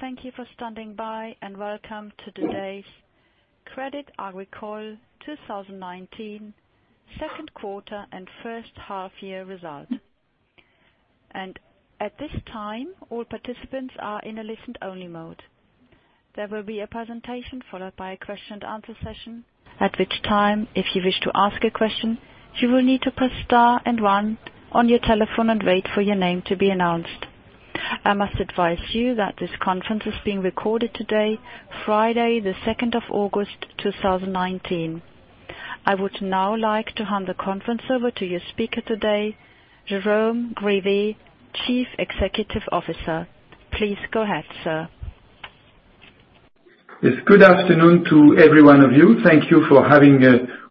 Thank you for standing by, and welcome to today's Crédit Agricole 2019 Second Quarter and First Half Year result. At this time, all participants are in a listen only mode. There will be a presentation followed by a question-and-answer session, at which time, if you wish to ask a question, you will need to press star and one on your telephone and wait for your name to be announced. I must advise you that this conference is being recorded today, Friday, the 2nd of August, 2019. I would now like to hand the conference over to your speaker today, Jérôme Grivet, Deputy Chief Executive Officer. Please go ahead, sir. Yes. Good afternoon to every one of you. Thank you for having,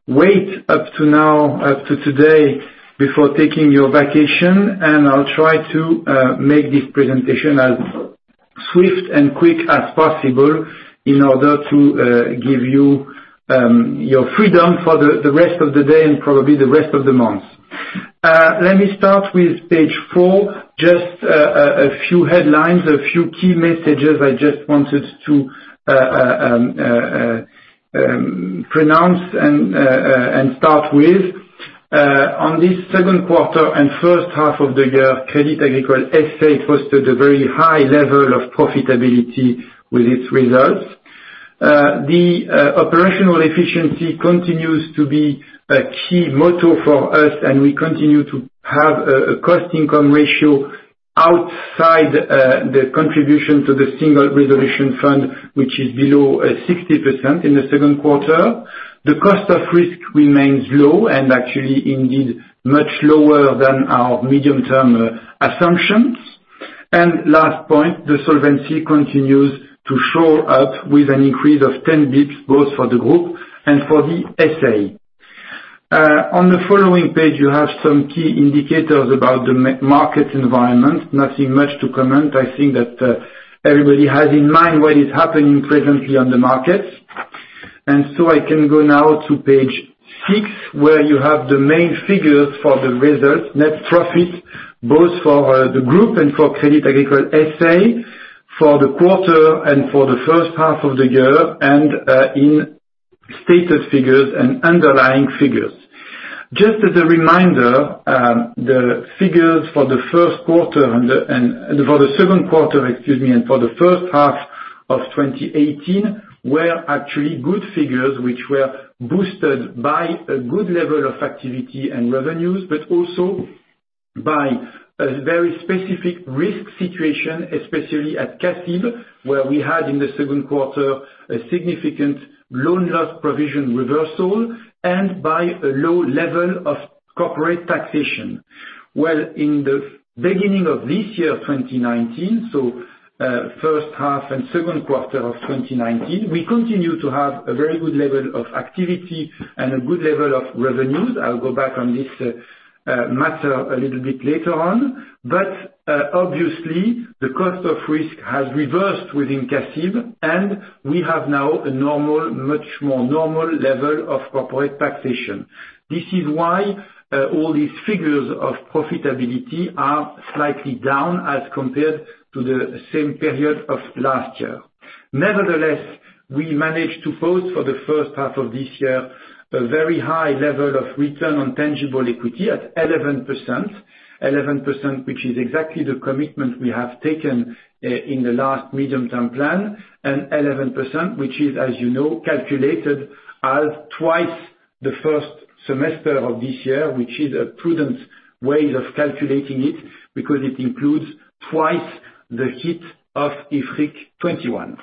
wait up to now, up to today before taking your vacation, I'll try to make this presentation as swift and quick as possible in order to give you your freedom for the rest of the day and probably the rest of the month. Let me start with page four. Just a few headlines, a few key messages I just wanted to pronounce and start with. On this second quarter and first half of the year, Crédit Agricole S.A. posted a very high level of profitability with its results. The operational efficiency continues to be a key motto for us. We continue to have a cost income ratio outside the contribution to the Single Resolution Fund, which is below 60% in the second quarter. The cost of risk remains low and actually indeed much lower than our medium-term assumptions. Last point, the solvency continues to show up with an increase of 10 basis points, both for the group and for the SA. On the following page, you have some key indicators about the market environment. Nothing much to comment. I think that everybody has in mind what is happening presently on the markets. I can go now to page six, where you have the main figures for the results. Net profit, both for the group and for Crédit Agricole SA, for the quarter and for the first half of the year, and in stated figures and underlying figures. Just as a reminder, the figures for the second quarter and for the first half of 2018 were actually good figures, which were boosted by a good level of activity and revenues, but also by a very specific risk situation, especially at CACIB, where we had in the second quarter, a significant loan loss provision reversal and by a low level of corporate taxation. Well, in the beginning of this year, 2019, so, first half and second quarter of 2019, we continue to have a very good level of activity and a good level of revenues. I'll go back on this matter a little bit later on. Obviously, the cost of risk has reversed within CACIB, and we have now a much more normal level of corporate taxation. This is why all these figures of profitability are slightly down as compared to the same period of last year. Nevertheless, we managed to post for the first half of this year, a very high level of return on tangible equity at 11%, which is exactly the commitment we have taken in the last medium-term plan, and 11%, which is, as you know, calculated as twice the first semester of this year, which is a prudent way of calculating it, because it includes twice the hit of IFRIC 21.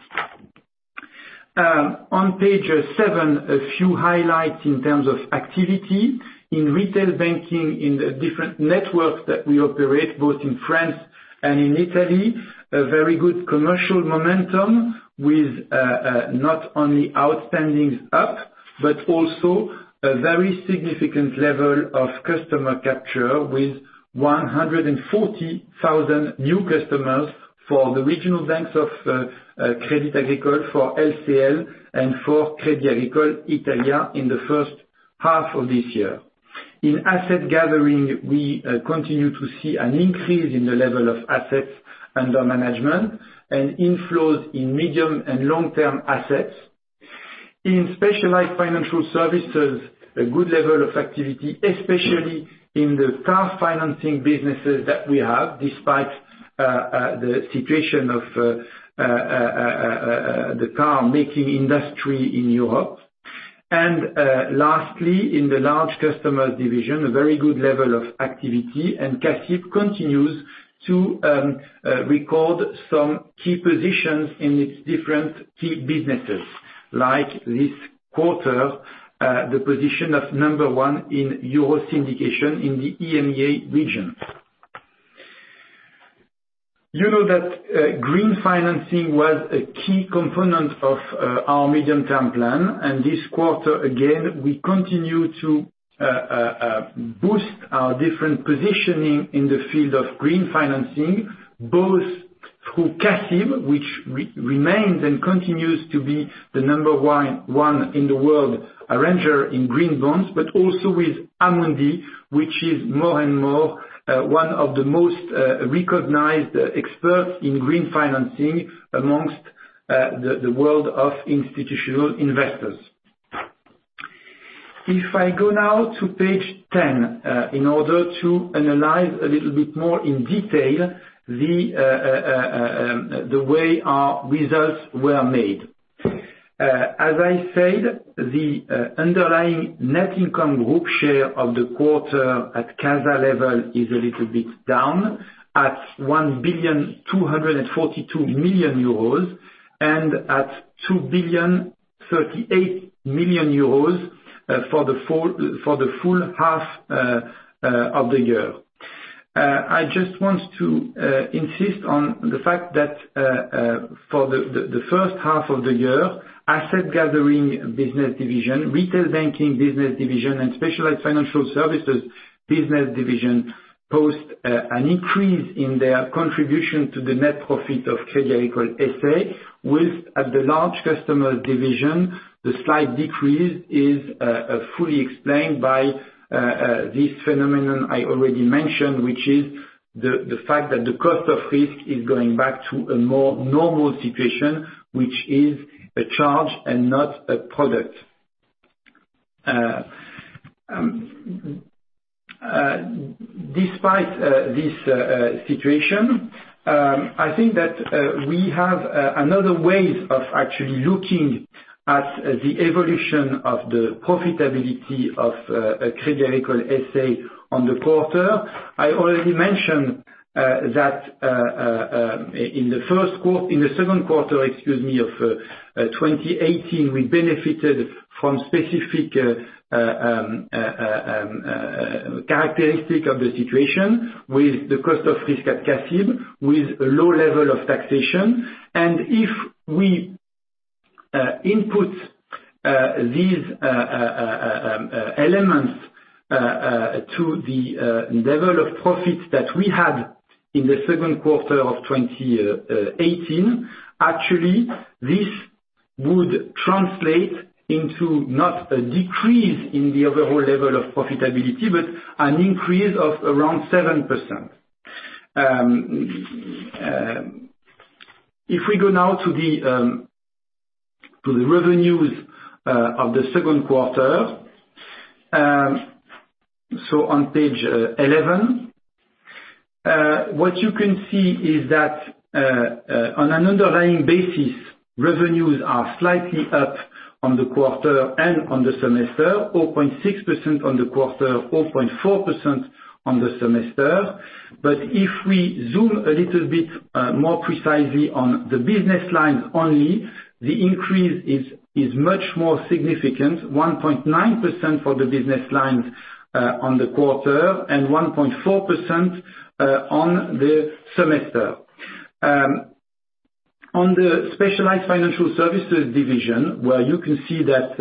On page seven, a few highlights in terms of activity. In retail banking, in the different networks that we operate, both in France and in Italy, a very good commercial momentum with not only outstandings up, but also a very significant level of customer capture with 140,000 new customers for the regional banks of Crédit Agricole, for LCL, and for Crédit Agricole Italia in the first half of this year. In asset gathering, we continue to see an increase in the level of assets under management and inflows in medium and long-term assets. In specialized financial services, a good level of activity, especially in the car financing businesses that we have, despite the situation of the car-making industry in Europe. Lastly, in the large customer division, a very good level of activity, and CACIB continues to record some key positions in its different key businesses. Like this quarter, the position of number one in Euro syndication in the EMEA region. You know that green financing was a key component of our medium-term plan. This quarter, again, we continue to boost our different positioning in the field of green financing, both through CACIB, which remains and continues to be the number one in the world arranger in green bonds, also with Amundi, which is more and more one of the most recognized experts in green financing amongst the world of institutional investors. If I go now to page 10, in order to analyze a little bit more in detail the way our results were made. As I said, the underlying net income group share of the quarter at CASA level is a little bit down at 1.242 billion euros, at 2.038 billion euros for the full half of the year. I just want to insist on the fact that for the first half of the year, Asset Gathering Business Division, Retail Banking Business Division, and Specialized Financial Services Business Division post an increase in their contribution to the net profit of Crédit Agricole S.A., with the Large Customer Division. The slight decrease is fully explained by this phenomenon I already mentioned, which is the fact that the cost of risk is going back to a more normal situation, which is a charge and not a product. Despite this situation, I think that we have another way of actually looking at the evolution of the profitability of Crédit Agricole S.A. on the quarter. I already mentioned that in the second quarter of 2018, we benefited from specific characteristic of the situation with the cost of risk at CACIB with a low level of taxation. If we input these elements to the level of profits that we had in the second quarter of 2018, actually, this would translate into not a decrease in the overall level of profitability, but an increase of around 7%. If we go now to the revenues of the second quarter, so on page 11. What you can see is that on an underlying basis, revenues are slightly up on the quarter and on the semester, 4.6% on the quarter, 4.4% on the semester. If we zoom a little bit more precisely on the business lines only, the increase is much more significant, 1.9% for the business lines on the quarter and 1.4% on the semester. On the specialized financial services division, where you can see that,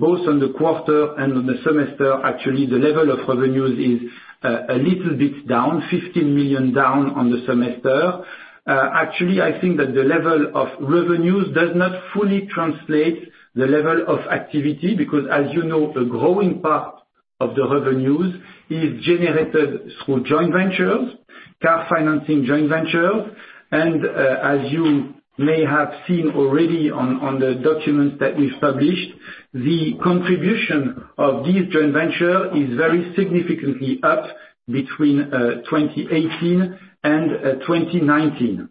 both on the quarter and on the semester, actually the level of revenues is a little bit down, 15 million down on the semester. Actually, I think that the level of revenues does not fully translate the level of activity, because as you know, a growing part of the revenues is generated through joint ventures, car financing joint ventures. As you may have seen already on the documents that we've published, the contribution of this joint venture is very significantly up between 2018 and 2019.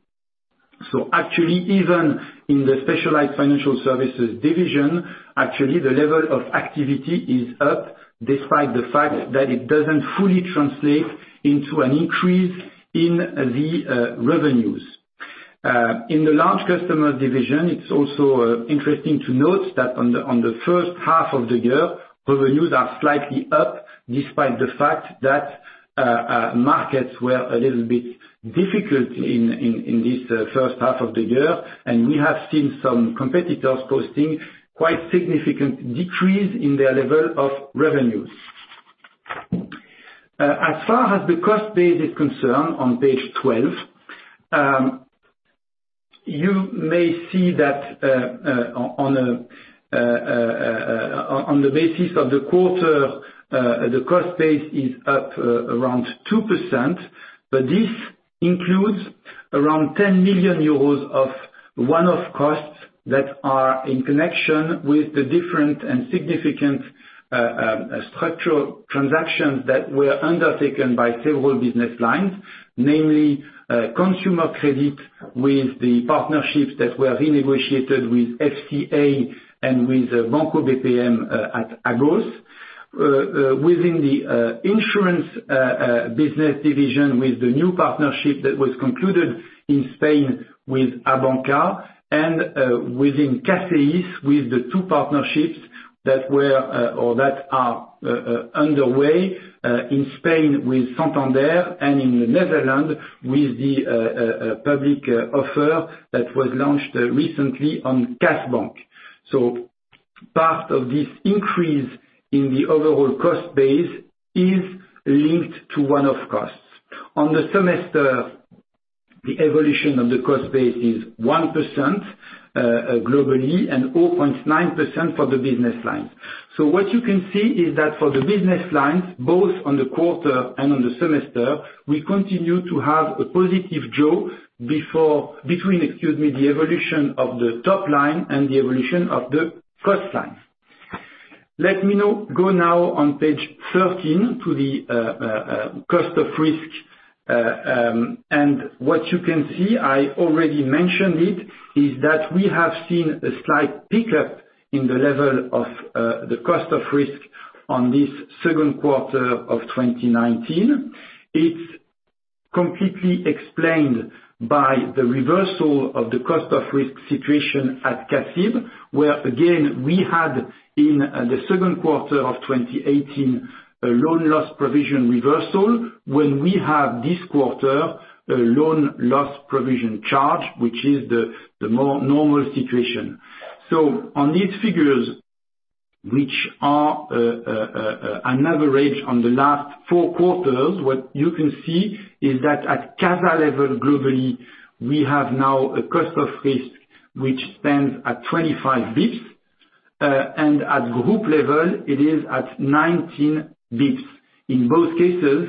Actually, even in the specialized financial services division, the level of activity is up despite the fact that it doesn't fully translate into an increase in the revenues. In the large customer division, it's also interesting to note that on the first half of the year, revenues are slightly up, despite the fact that markets were a little bit difficult in this first half of the year, and we have seen some competitors posting quite significant decrease in their level of revenues. As far as the cost base is concerned on page 12, you may see that on the basis of the quarter, the cost base is up around 2%, this includes around 10 million euros of one-off costs that are in connection with the different and significant structural transactions that were undertaken by several business lines, namely consumer credit with the partnerships that were renegotiated with FCA and with Banco BPM at Agos. Within the insurance business division with the new partnership that was concluded in Spain with Abanca, and within CACEIS, with the two partnerships that are underway in Spain with Santander and in the Netherlands with the public offer that was launched recently on KAS BANK. Part of this increase in the overall cost base is linked to one-off costs. On the semester, the evolution of the cost base is 1% globally and 0.9% for the business line. What you can see is that for the business line, both on the quarter and on the semester, we continue to have a positive job between, excuse me, the evolution of the top line and the evolution of the cost line. Let me go now on page 13 to the cost of risk. What you can see, I already mentioned it, is that we have seen a slight pickup in the level of the cost of risk on this second quarter of 2019. It's completely explained by the reversal of the cost of risk situation at CACIB, where again, we had, in the second quarter of 2018, a loan loss provision reversal, when we have this quarter a loan loss provision charge, which is the more normal situation. On these figures, which are an average on the last four quarters, what you can see is that at CASA level globally, we have now a cost of risk which stands at 25 basis points, and at group level it is at 19 basis points. In both cases,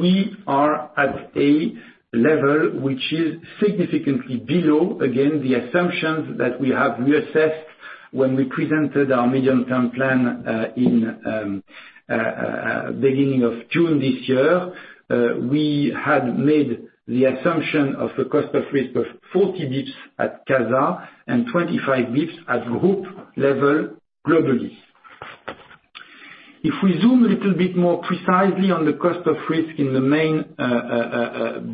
we are at a level which is significantly below, again, the assumptions that we have reassessed when we presented our medium-term plan in beginning of June this year. We had made the assumption of a cost of risk of 40 basis points at CASA, and 25 basis points at group level globally. If we zoom a little bit more precisely on the cost of risk in the main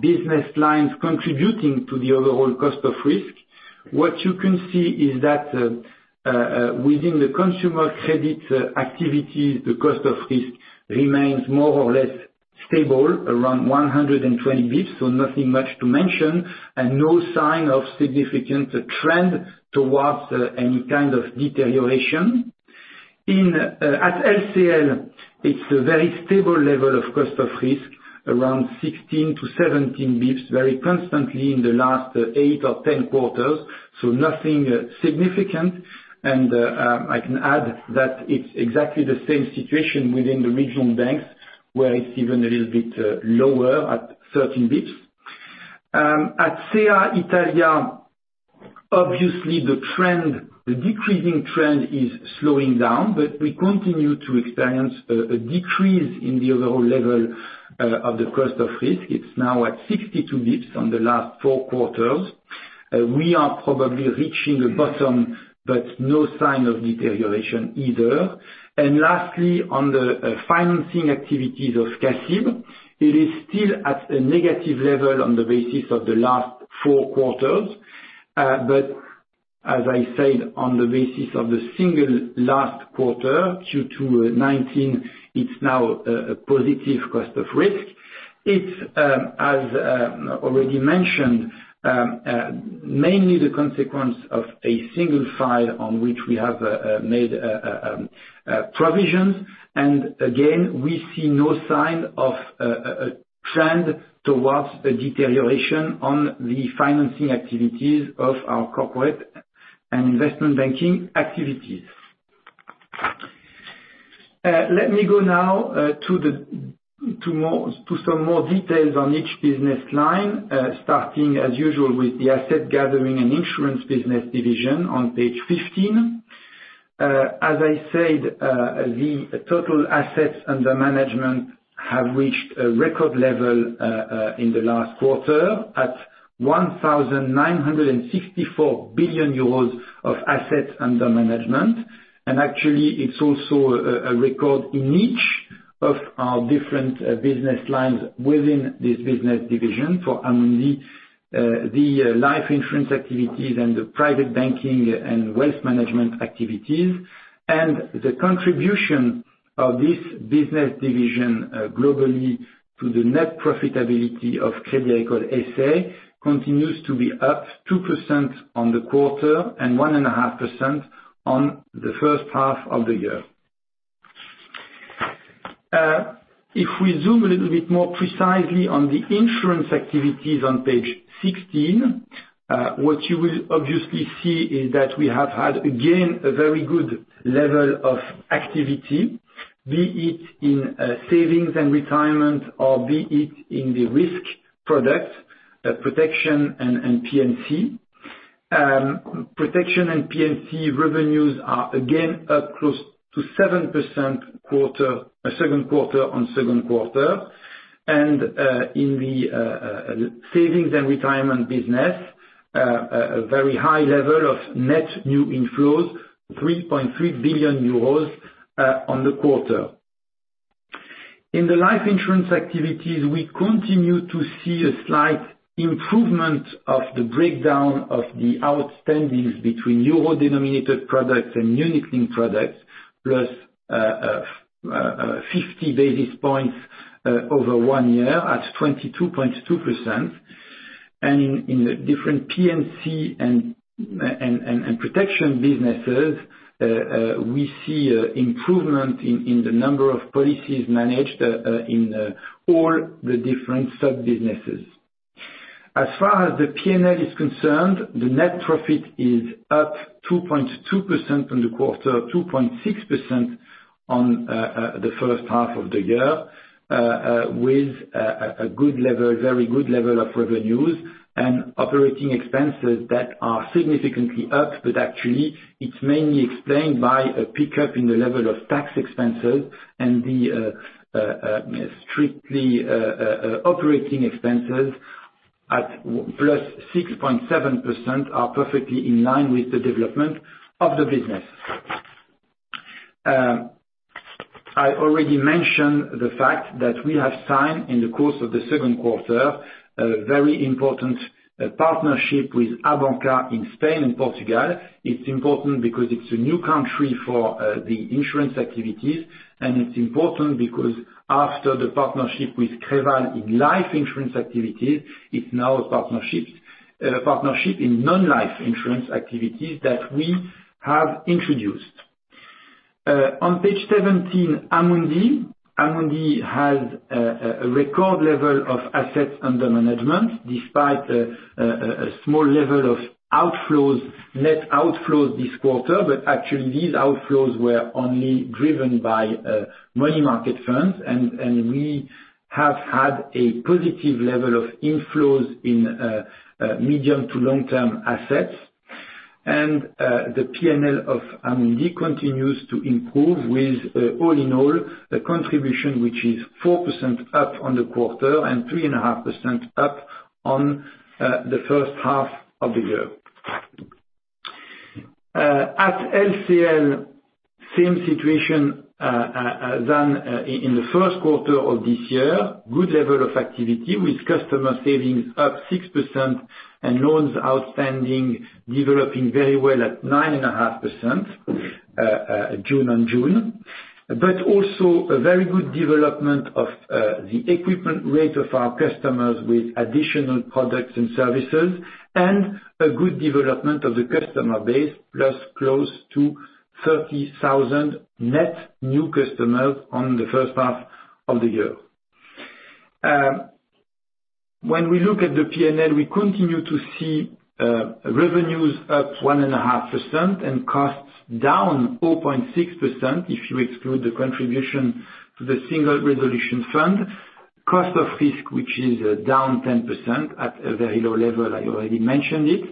business lines contributing to the overall cost of risk, what you can see is that, within the consumer credit activities, the cost of risk remains more or less stable around 120 basis points, so nothing much to mention, and no sign of significant trend towards any kind of deterioration. At LCL, it's a very stable level of cost of risk, around 16 basis points to 17 basis points, very constantly in the last eight or 10 quarters, so nothing significant. I can add that it's exactly the same situation within the regional banks, where it's even a little bit lower at 13 basis points. At Crédit Agricole Italia, obviously the decreasing trend is slowing down, but we continue to experience a decrease in the overall level of the cost of risk. It's now at 62 basis points on the last four quarters. We are probably reaching a bottom, but no sign of deterioration either. Lastly, on the financing activities of CACIB, it is still at a negative level on the basis of the last four quarters. As I said, on the basis of the single last quarter, Q2 2019, it's now a positive cost of risk. It's, as already mentioned, mainly the consequence of a single file on which we have made provisions. Again, we see no sign of a trend towards a deterioration on the financing activities of our Corporate and Investment Banking activities. Let me go now to some more details on each business line, starting as usual, with the Asset Gathering and Insurance Business division on page 15. As I said, the total assets under management have reached a record level, in the last quarter at 1,964 billion euros of assets under management. Actually it's also a record in each of our different business lines within this business division for Amundi, the life insurance activities and the private banking and wealth management activities. The contribution of this business division globally to the net profitability of Crédit Agricole S.A. continues to be up 2% on the quarter, and 1.5% on the first half of the year. If we zoom a little bit more precisely on the insurance activities on page 16, what you will obviously see is that we have had, again, a very good level of activity, be it in savings and retirement or be it in the risk product, protection and P&C. Protection and P&C revenues are again up close to 7% second quarter-on-second quarter. In the savings and retirement business, a very high level of net new inflows, 3.3 billion euros on the quarter. In the life insurance activities, we continue to see a slight improvement of the breakdown of the outstandings between euro-denominated products and unit linked products, plus 50 basis points over one year at 22.2%. In the different P&C and protection businesses we see improvement in the number of policies managed in all the different sub-businesses. As far as the P&L is concerned, the net profit is up 2.2% on the quarter, 2.6% on the first half of the year, with a very good level of revenues and operating expenses that are significantly up. Actually, it's mainly explained by a pickup in the level of tax expenses and the strictly operating expenses at +6.7% are perfectly in line with the development of the business. I already mentioned the fact that we have signed, in the course of the second quarter, a very important partnership with Abanca in Spain and Portugal. It's important because it's a new country for the insurance activities, and it's important because after the partnership with Creval in life insurance activities, it's now a partnership in non-life insurance activities that we have introduced. On page 17, Amundi. Amundi has a record level of assets under management, despite a small level of net outflows this quarter. Actually, these outflows were only driven by money market funds, and we have had a positive level of inflows in medium to long-term assets. The P&L of Amundi continues to improve with, all in all, a contribution which is 4% up on the quarter and 3.5% up on the first half of the year. At LCL, same situation than in the first quarter of this year. Good level of activity with customer savings up 6% and loans outstanding developing very well at 9.5% June on June. Also, a very good development of the equipment rate of our customers with additional products and services and a good development of the customer base, plus close to 30,000 net new customers on the first half of the year. When we look at the P&L, we continue to see revenues up 1.5% and costs down 0.6% if you exclude the contribution to the Single Resolution Fund. Cost of fisc, which is down 10% at a very low level, I already mentioned it.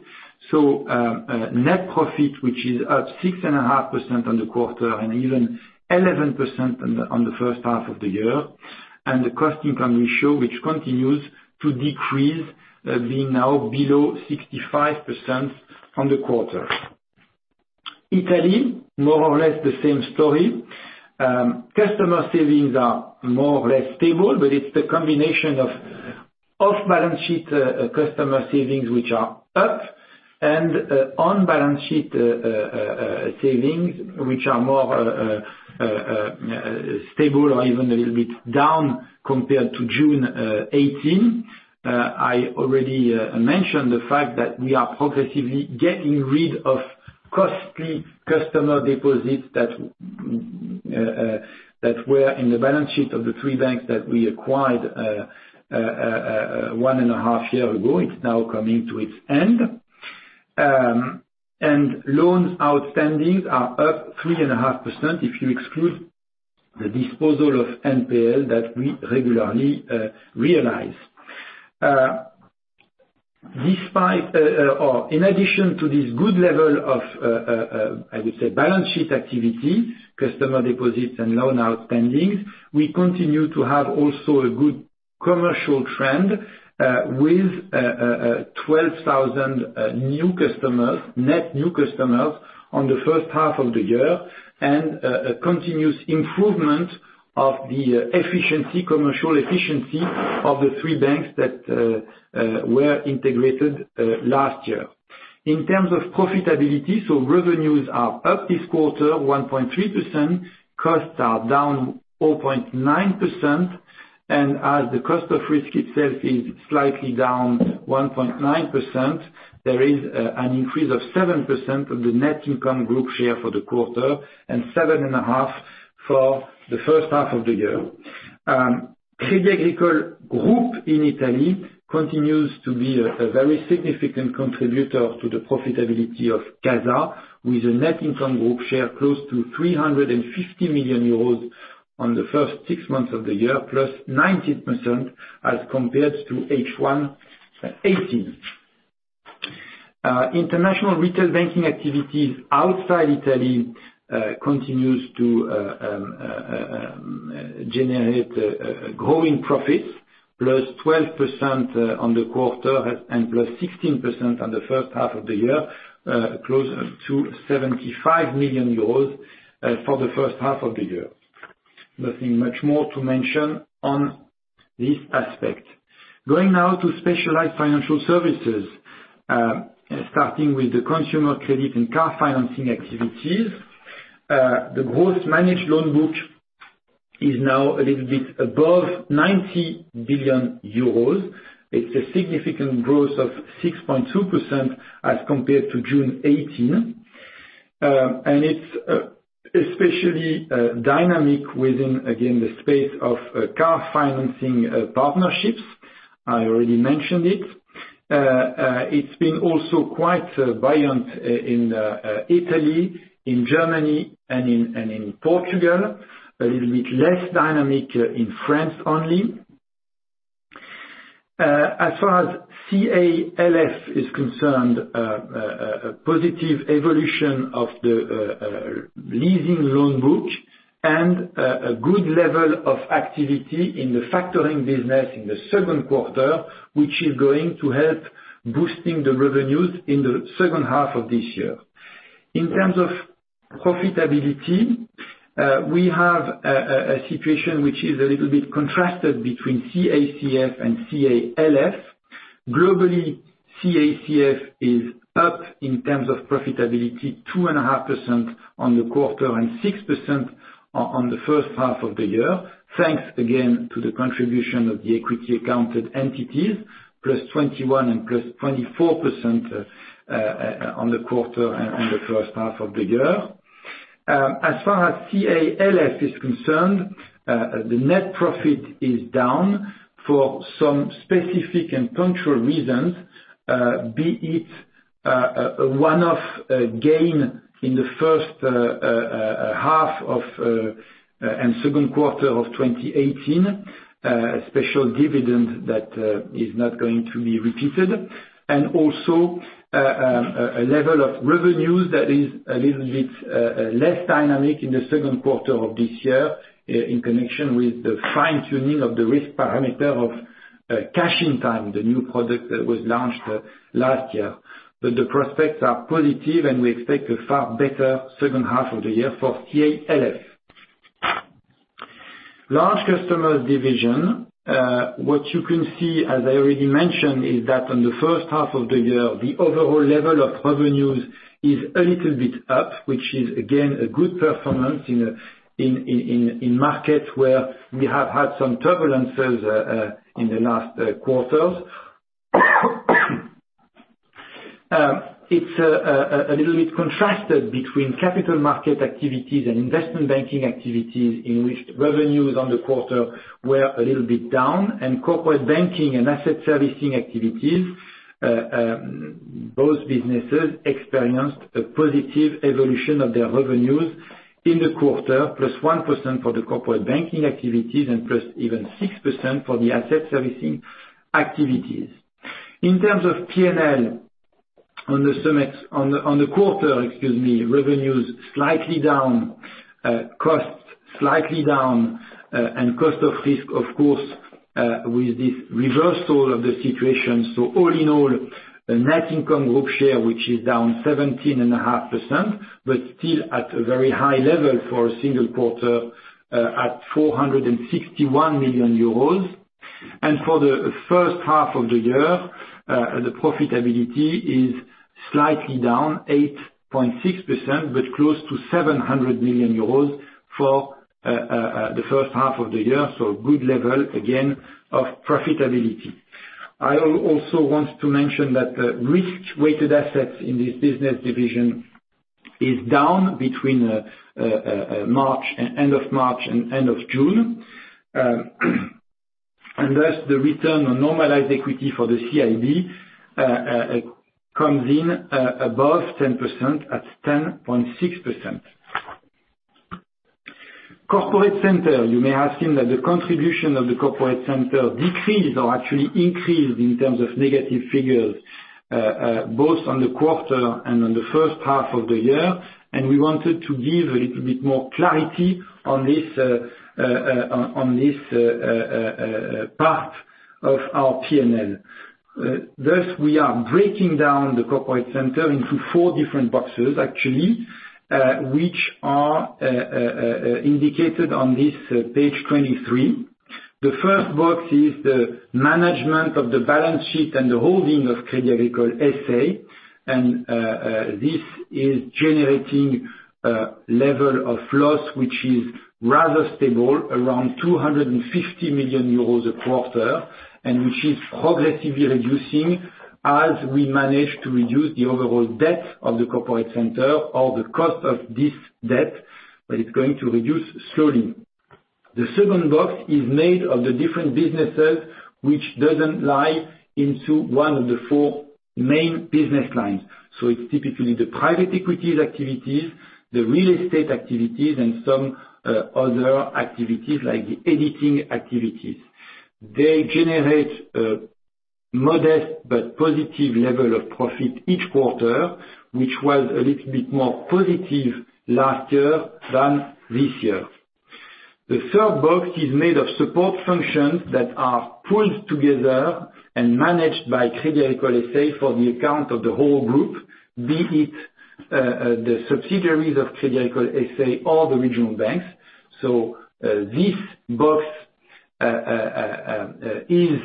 Net profit, which is up 6.5% on the quarter and even 11% on the first half of the year. The cost-income ratio, which continues to decrease, being now below 65% on the quarter. Italy, more or less the same story. Customer savings are more or less stable. It's the combination of off-balance sheet customer savings, which are up, and on-balance sheet savings, which are more stable or even a little bit down compared to June 2018. I already mentioned the fact that we are progressively getting rid of costly customer deposits that were in the balance sheet of the three banks that we acquired one and a half year ago. It's now coming to its end. Loans outstanding are up 3.5% if you exclude the disposal of NPL that we regularly realize. In addition to this good level of, I would say, balance sheet activity, customer deposits, and loan outstandings, we continue to have also a good commercial trend, with 12,000 net new customers on the first half of the year and a continuous improvement of the commercial efficiency of the three banks that were integrated last year. In terms of profitability, revenues are up this quarter 1.3%, costs are down 4.9%, and as the cost of risk itself is slightly down 1.9%, there is an increase of 7% of the net income group share for the quarter and 7.5% for the first half of the year. Crédit Agricole Italia continues to be a very significant contributor to the profitability of CASA, with a net income group share close to 350 million euros on the first six months of the year, +19% as compared to H1 2018. International retail banking activities outside Italy continues to generate growing profits, +12% on the quarter and +16% on the first half of the year, close to 75 million euros for the first half of the year. Nothing much more to mention on this aspect. Going now to specialized financial services, starting with the consumer credit and car financing activities. The gross managed loan book is now a little bit above 90 billion euros. It's a significant growth of 6.2% as compared to June 2018. It's especially dynamic within, again, the space of car financing partnerships. I already mentioned it. It's been also quite buoyant in Italy, in Germany, and in Portugal. A little bit less dynamic in France only. As far as CAL&F is concerned, a positive evolution of the leasing loan book and a good level of activity in the factoring business in the second quarter, which is going to help boosting the revenues in the second half of this year. In terms of profitability, we have a situation which is a little bit contrasted between CACF and CAL&F. Globally, CACF is up in terms of profitability, 2.5% on the quarter, and 6% on the first half of the year. Thanks again to the contribution of the equity accounted entities, +21% and +24% on the quarter and the first half of the year. As far as CAL&F is concerned, the net profit is down for some specific and punctual reasons, be it a one-off gain in the first half of, and second quarter of 2018. A special dividend that is not going to be repeated. Also, a level of revenues that is a little bit less dynamic in the second quarter of this year, in connection with the fine-tuning of the risk parameter of Cash in Time, the new product that was launched last year. The prospects are positive, and we expect a far better second half of the year for CAL&F. Large customers division. What you can see, as I already mentioned, is that on the first half of the year, the overall level of revenues is a little bit up, which is again, a good performance in markets where we have had some turbulences in the last quarters. It's a little bit contrasted between capital market activities and investment banking activities, in which revenues on the quarter were a little bit down, and corporate banking and asset servicing activities, both businesses experienced a positive evolution of their revenues in the quarter. +1% for the corporate banking activities, and +6% for the asset servicing activities. In terms of P&L on the quarter, excuse me, revenues slightly down. Costs slightly down. Cost of risk, of course, with this reversal of the situation. All in all, the net income group share, which is down 17.5%, but still at a very high level for a single quarter at 461 million euros. For the first half of the year, the profitability is slightly down 8.6%, but close to 700 million euros for the first half of the year. Good level, again, of profitability. I also want to mention that risk-weighted assets in this business division is down between end of March and end of June. Thus, the return on normalized equity for the CIB comes in above 10% at 10.6%. Corporate Center, you may have seen that the contribution of the Corporate Center decreased or actually increased in terms of negative figures, both on the quarter and on the first half of the year. We wanted to give a little bit more clarity on this part of our P&L. Thus, we are breaking down the corporate center into four different boxes, actually, which are indicated on this page 23. The first box is the management of the balance sheet and the holding of Crédit Agricole S.A. This is generating a level of loss, which is rather stable around 250 million euros a quarter, and which is progressively reducing as we manage to reduce the overall debt of the corporate center or the cost of this debt. It's going to reduce slowly. The second box is made of the different businesses, which doesn't lie into one of the four main business lines. It's typically the private equities activities, the real estate activities, and some other activities like the editing activities. They generate a modest but positive level of profit each quarter, which was a little bit more positive last year than this year. The third box is made of support functions that are pooled together and managed by Crédit Agricole S.A. for the account of the whole group, be it the subsidiaries of Crédit Agricole S.A. or the regional banks. This box is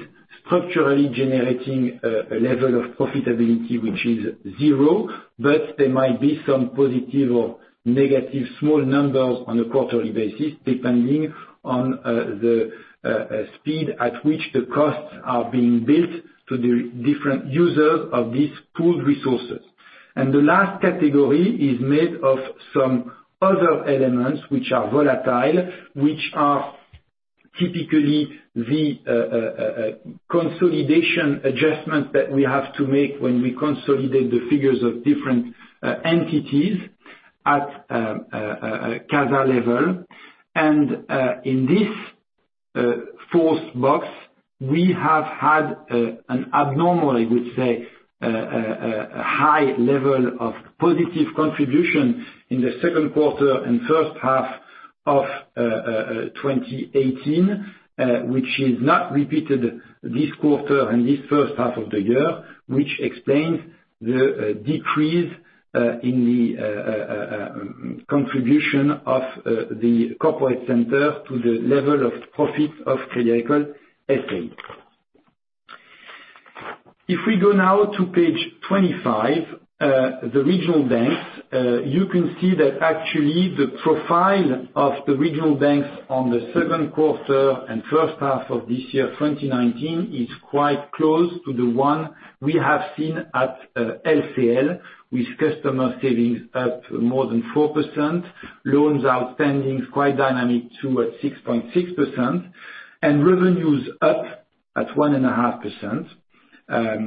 structurally generating a level of profitability, which is zero. There might be some positive or negative small numbers on a quarterly basis, depending on the speed at which the costs are being built to the different users of these pooled resources. The last category is made of some other elements which are volatile, which are typically, the consolidation adjustment that we have to make when we consolidate the figures of different entities at a CASA level. In this fourth box, we have had an abnormal, I would say, high level of positive contribution in the second quarter and first half of 2018, which is not repeated this quarter and this first half of the year, which explains the decrease in the contribution of the Corporate Center to the level of profit of Crédit Agricole S.A. We go now to page 25, the regional banks, you can see that actually the profile of the regional banks on the second quarter and first half of this year, 2019, is quite close to the one we have seen at LCL, with customer savings up more than 4%, loans outstanding quite dynamic too, at 6.6%, and revenues up at 1.5%. Cost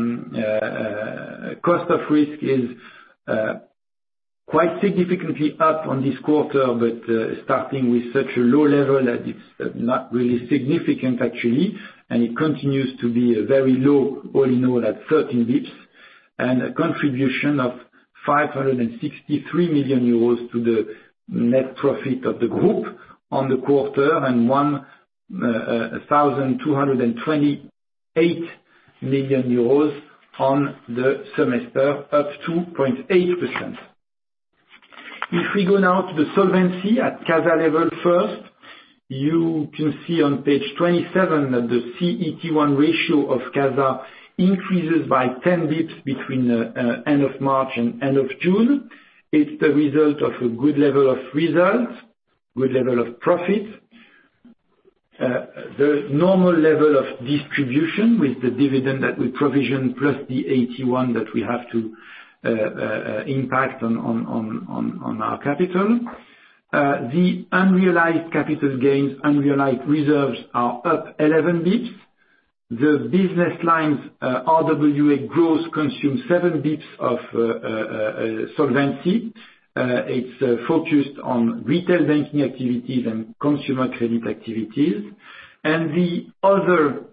of risk is quite significantly up on this quarter, starting with such a low level that it's not really significant actually, and it continues to be very low, all in all, at 13 basis points, and a contribution of 563 million euros to the net profit of the group on the quarter, and 1,228 million euros on the semester, up 2.8%. If we go now to the solvency at CASA level first, you can see on page 27 that the CET1 ratio of CASA increases by 10 basis points between end of March and end of June. It's the result of a good level of result, good level of profit. The normal level of distribution with the dividend that we provision, plus the 81 that we have to impact on our capital. The unrealized capital gains, unrealized reserves are up 11 basis points. The business lines RWA gross consume 7 basis points of solvency. It's focused on retail banking activities and consumer credit activities. The other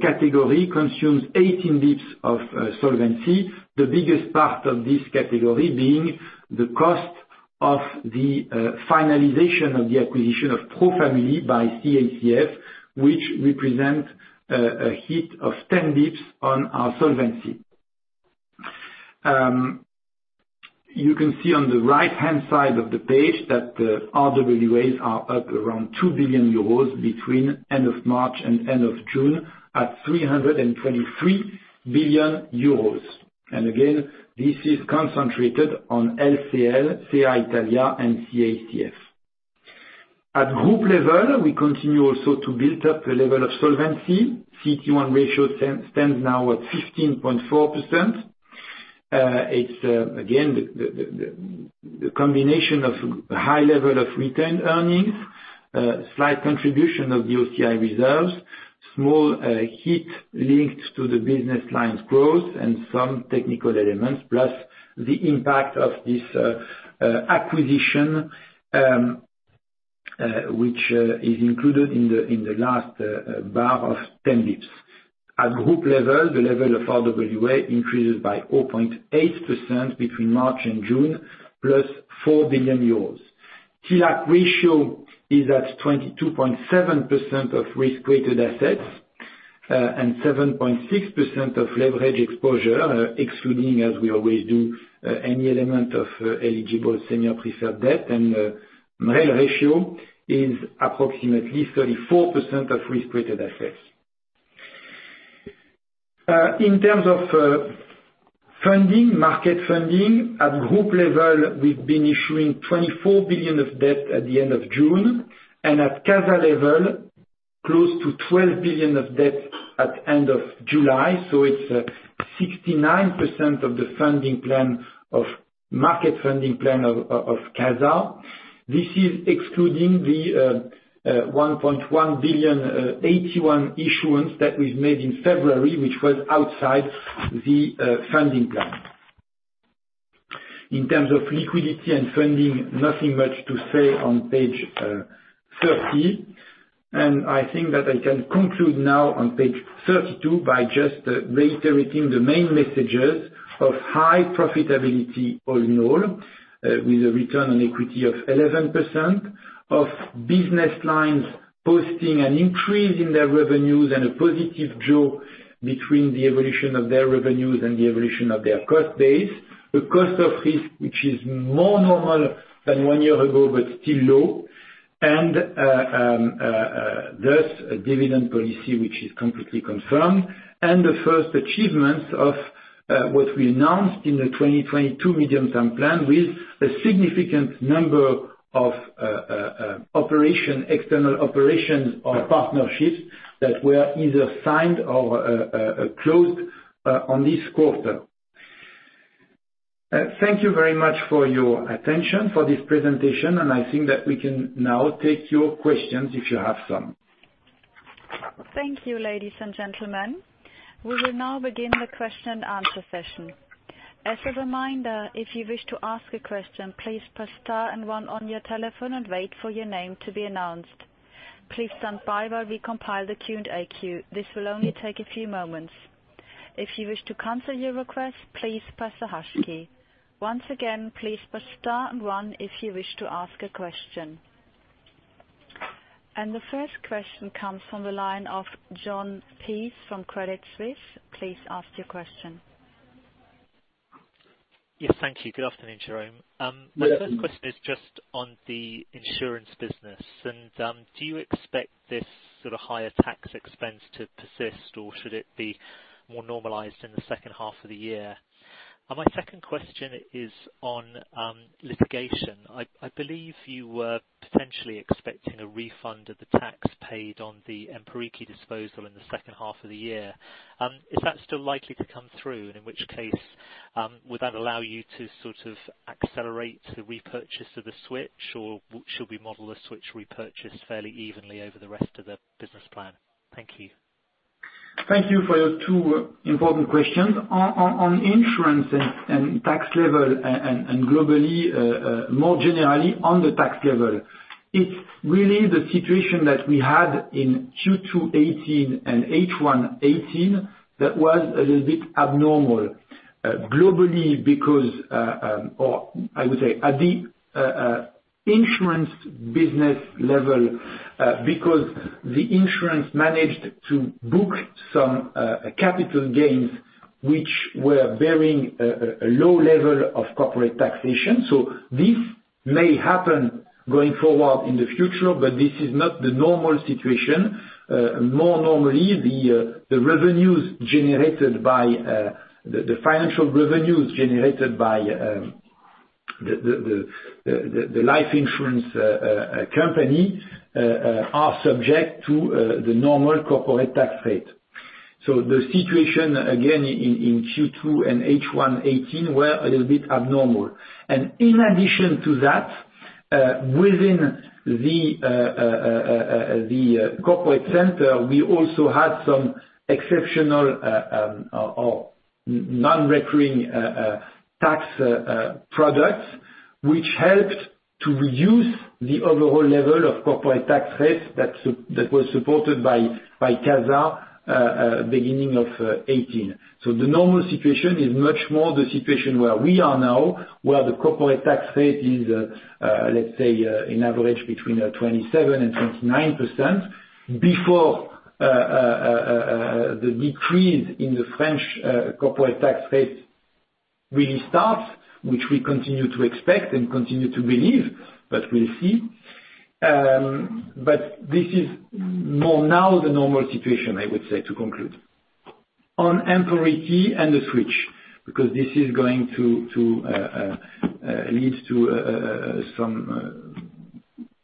category consumes 18 basis points of solvency. The biggest part of this category being the cost of the finalization of the acquisition of ProFamily by CACF, which represent a hit of 10 basis points on our solvency. You can see on the right-hand side of the page that the RWAs are up around 2 billion euros between end of March and end of June at 323 billion euros. Again, this is concentrated on LCL, CA Italia and CACF. At group level, we continue also to build up the level of solvency. CET1 ratio stands now at 15.4%. It's, again, the combination of high level of retained earnings, slight contribution of the OCI reserves, small hit linked to the business lines growth and some technical elements, plus the impact of this acquisition, which is included in the last bar of 10 basis points. At group level, the level of RWA increases by 0.8% between March and June, plus 4 billion euros. TLAC ratio is at 22.7% of risk-weighted assets and 7.6% of leverage exposure, excluding, as we always do, any element of eligible senior preferred debt. MREL ratio is approximately 34% of risk-weighted assets. In terms of funding, market funding at group level, we've been issuing 24 billion of debt at the end of June, and at CASA level, close to 12 billion of debt at end of July. It's 69% of the market funding plan of CASA. This is excluding the 1.1 billion AT1 issuance that we've made in February, which was outside the funding plan. In terms of liquidity and funding, nothing much to say on page 30. I think that I can conclude now on page 32 by just reiterating the main messages of high profitability all in all, with a return on equity of 11%, of business lines posting an increase in their revenues and a positive draw between the evolution of their revenues and the evolution of their cost base. The cost of risk, which is more normal than one year ago, but still low, thus, a dividend policy which is completely confirmed. The first achievements of what we announced in the 2022 medium-term plan, with a significant number of external operations or partnerships that were either signed or closed on this quarter. Thank you very much for your attention for this presentation. I think that we can now take your questions if you have some. Thank you, ladies and gentlemen. We will now begin the question-and-answer session. As a reminder, if you wish to ask a question, please press star and one on your telephone and wait for your name to be announced. Please stand by while we compile the Q&A queue. This will only take a few moments. If you wish to cancel your request, please press the hash key. Once again, please press star and one if you wish to ask a question. The first question comes from the line of Jon Peace from Credit Suisse. Please ask your question. Yes. Thank you. Good afternoon, Jérôme. Yes. My first question is just on the insurance business. Do you expect this sort of higher tax expense to persist, or should it be more normalized in the second half of the year? My second question is on litigation. I believe you were potentially expecting a refund of the tax paid on the Emporiki disposal in the second half of the year. Is that still likely to come through? In which case, would that allow you to sort of accelerate the repurchase of the switch, or should we model the switch repurchase fairly evenly over the rest of the business plan? Thank you. Thank you for your two important questions. On insurance and tax level and globally, more generally on the tax level. It's really the situation that we had in Q2 2018 and H1 2018 that was a little bit abnormal, globally because, or I would say at the insurance business level, because the insurance managed to book some capital gains, which were bearing a low level of corporate taxation. This may happen going forward in the future, but this is not the normal situation. More normally, the financial revenues generated by the life insurance company are subject to the normal corporate tax rate. The situation, again, in Q2 and H1 2018, were a little bit abnormal. In addition to that, within the Corporate Center, we also had some exceptional or non-recurring tax products, which helped to reduce the overall level of corporate tax rates that was supported by CASA beginning of 2018. The normal situation is much more the situation where we are now, where the corporate tax rate is, let's say, in average between 27% and 29%, before the decrease in the French corporate tax rate really starts, which we continue to expect and continue to believe. We'll see. This is more now the normal situation, I would say to conclude. On Emporiki and the switch, because this is going to lead to some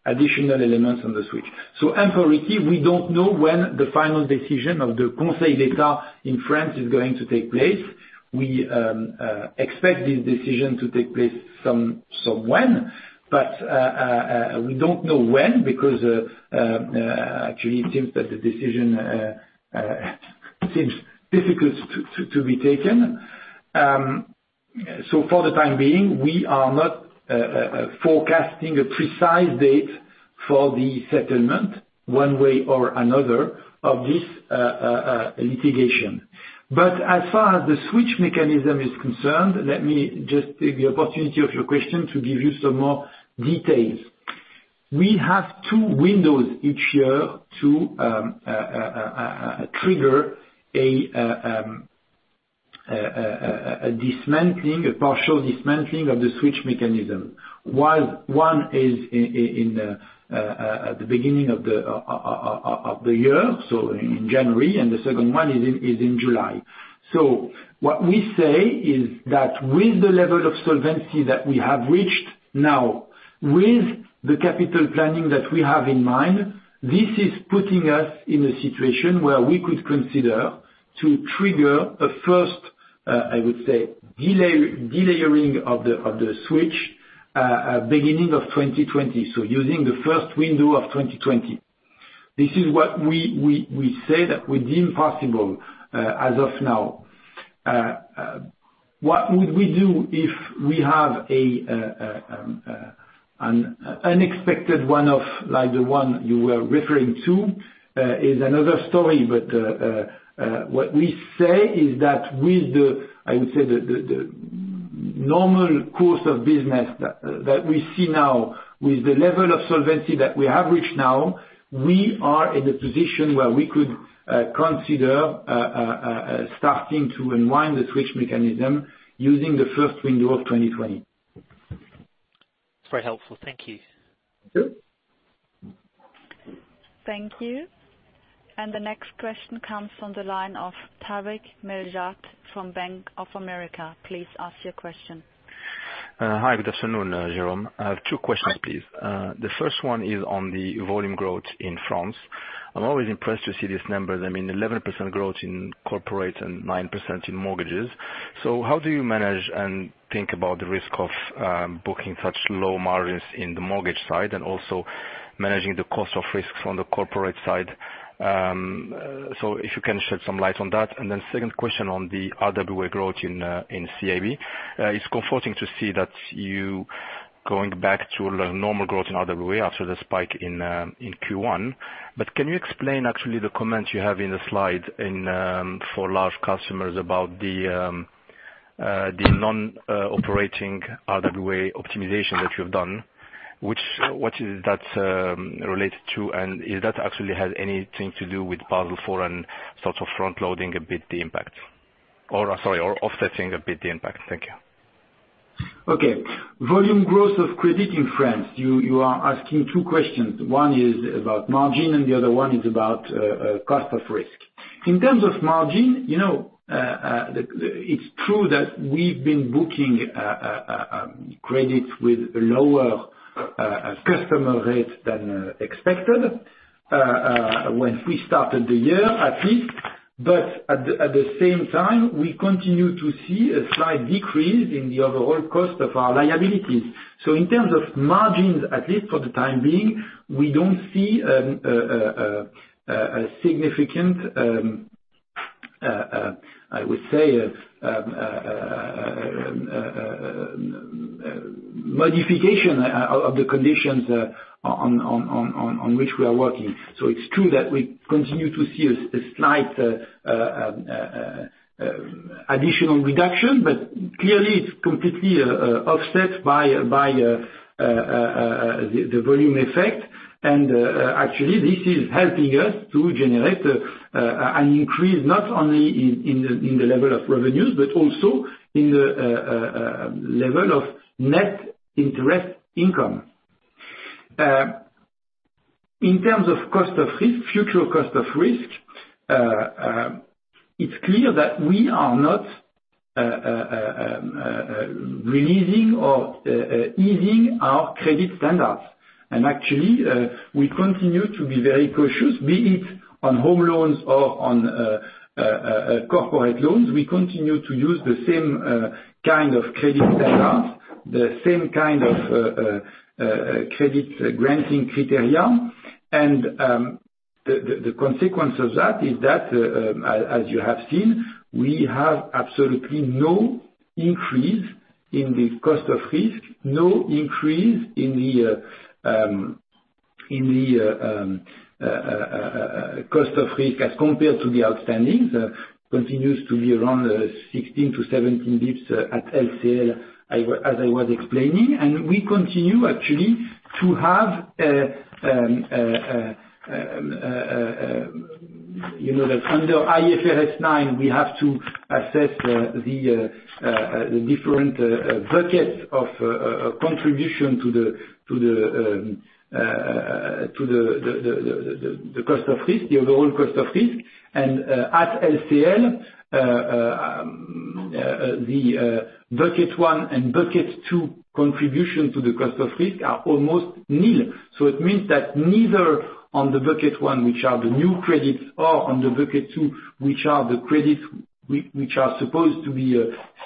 additional elements on the switch. Emporiki, we don't know when the final decision of the Conseil d'Etat in France is going to take place. We expect this decision to take place some when, but we don't know when, because actually it seems that the decision seems difficult to be taken. For the time being, we are not forecasting a precise date for the settlement, one way or another, of this litigation. As far as the switch mechanism is concerned, let me just take the opportunity of your question to give you some more details. We have two windows each year to trigger a dismantling, a partial dismantling of the switch mechanism. One is at the beginning of the year, so in January, and the second one is in July. What we say is that with the level of solvency that we have reached now, with the capital planning that we have in mind, this is putting us in a situation where we could consider to trigger a first, I would say, delayering of the switch, beginning of 2020. Using the first window of 2020. This is what we say that we deem possible, as of now. What would we do if we have an unexpected one-off, like the one you were referring to, is another story. What we say is that with the, I would say the normal course of business that we see now, with the level of solvency that we have reached now, we are in a position where we could consider starting to unwind the switch mechanism using the first window of 2020. It's very helpful. Thank you. Sure. Thank you. The next question comes from the line of Tarik El Mejjad from Bank of America. Please ask your question. Hi, good afternoon, Jérôme. I have two questions, please. The first one is on the volume growth in France. I'm always impressed to see these numbers. 11% growth in corporate and 9% in mortgages. How do you manage and think about the risk of booking such low margins in the mortgage side and also managing the cost of risks on the corporate side? If you can shed some light on that. Second question on the RWA growth in CIB. It's comforting to see that you going back to normal growth in RWA after the spike in Q1. Can you explain actually the comments you have in the slide for large customers about the non-operating RWA optimization that you've done, what is that related to, and if that actually has anything to do with Basel IV and sort of front-loading a bit the impact. Sorry, offsetting a bit the impact. Thank you. Okay. Volume growth of credit in France. You are asking two questions. One is about margin, and the other one is about cost of risk. In terms of margin, it's true that we've been booking credits with lower customer rates than expected, when we started the year at least. At the same time, we continue to see a slight decrease in the overall cost of our liabilities. In terms of margins, at least for the time being, we don't see a significant, I would say, modification of the conditions on which we are working. It's true that we continue to see a slight additional reduction, but clearly it's completely offset by the volume effect. Actually, this is helping us to generate an increase, not only in the level of revenues, but also in the level of net interest income. In terms of future cost of risk, it's clear that we are not releasing or easing our credit standards. Actually, we continue to be very cautious, be it on home loans or on corporate loans. We continue to use the same kind of credit standards, the same kind of credit granting criteria. The consequence of that is that, as you have seen, we have absolutely no increase in the cost of risk, no increase in the cost of risk as compared to the outstandings, continues to be around 16 basis points to 17 basis points at LCL, as I was explaining. We continue, actually, to have under IFRS 9, we have to assess the different buckets of contribution to the cost of risk, the overall cost of risk. At LCL, the Bucket 1 and Bucket 2 contribution to the cost of risk are almost nil. It means that neither on the Bucket 1, which are the new credits, or on the Bucket 2, which are the credits which are supposed to be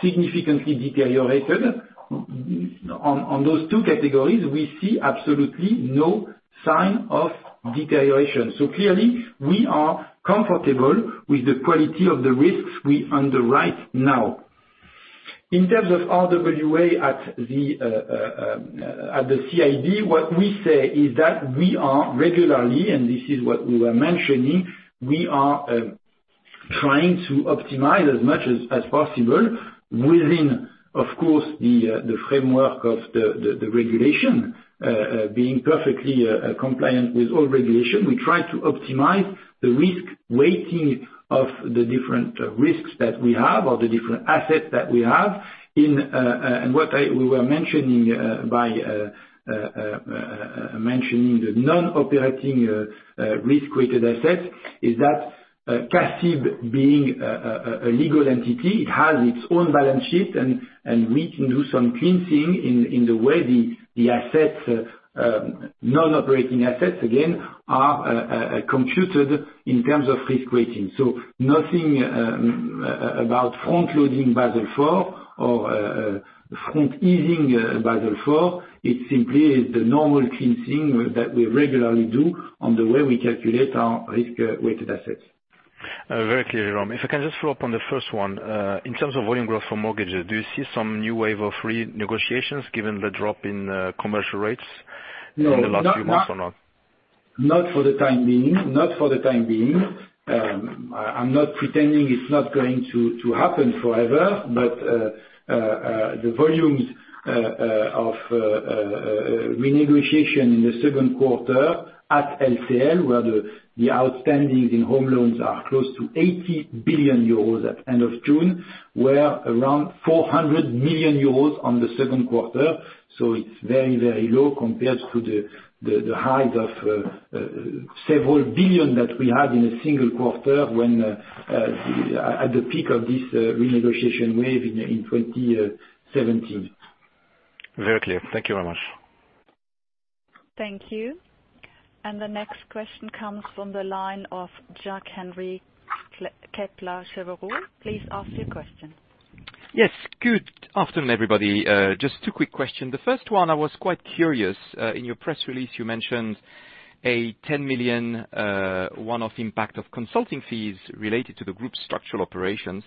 significantly deteriorated. On those two categories, we see absolutely no sign of deterioration. Clearly, we are comfortable with the quality of the risks we underwrite now. In terms of RWA at the CIB, what we say is that we are regularly, and this is what we were mentioning, we are trying to optimize as much as possible within, of course, the framework of the regulation, being perfectly compliant with all regulation. We try to optimize the risk weighting of the different risks that we have or the different assets that we have. What we were mentioning by mentioning the non-operating risk-weighted assets, is that CACIB being a legal entity, it has its own balance sheet, and we can do some cleansing in the way the non-operating assets, again, are computed in terms of risk weighting. Nothing about front-loading Basel IV or front easing Basel IV, it's simply the normal cleansing that we regularly do on the way we calculate our risk-weighted assets. Very clear, Jérôme. If I can just follow up on the first one. In terms of volume growth for mortgages, do you see some new wave of renegotiations given the drop in commercial rates? No. in the last few months or not? Not for the time being. I'm not pretending it's not going to happen forever, but the volumes of renegotiation in the second quarter at LCL, where the outstandings in home loans are close to 80 billion euros at end of June, were around 400 million euros on the second quarter. So it's very, very low compared to the height of several billion that we had in a single quarter at the peak of this renegotiation wave in 2017. Very clear. Thank you very much. Thank you. The next question comes from the line of Jacques-Henri Gaulard. Please ask your question. Yes. Good afternoon, everybody. Just two quick questions. The first one, I was quite curious. In your press release, you mentioned a 10 million one-off impact of consulting fees related to the group's structural operations.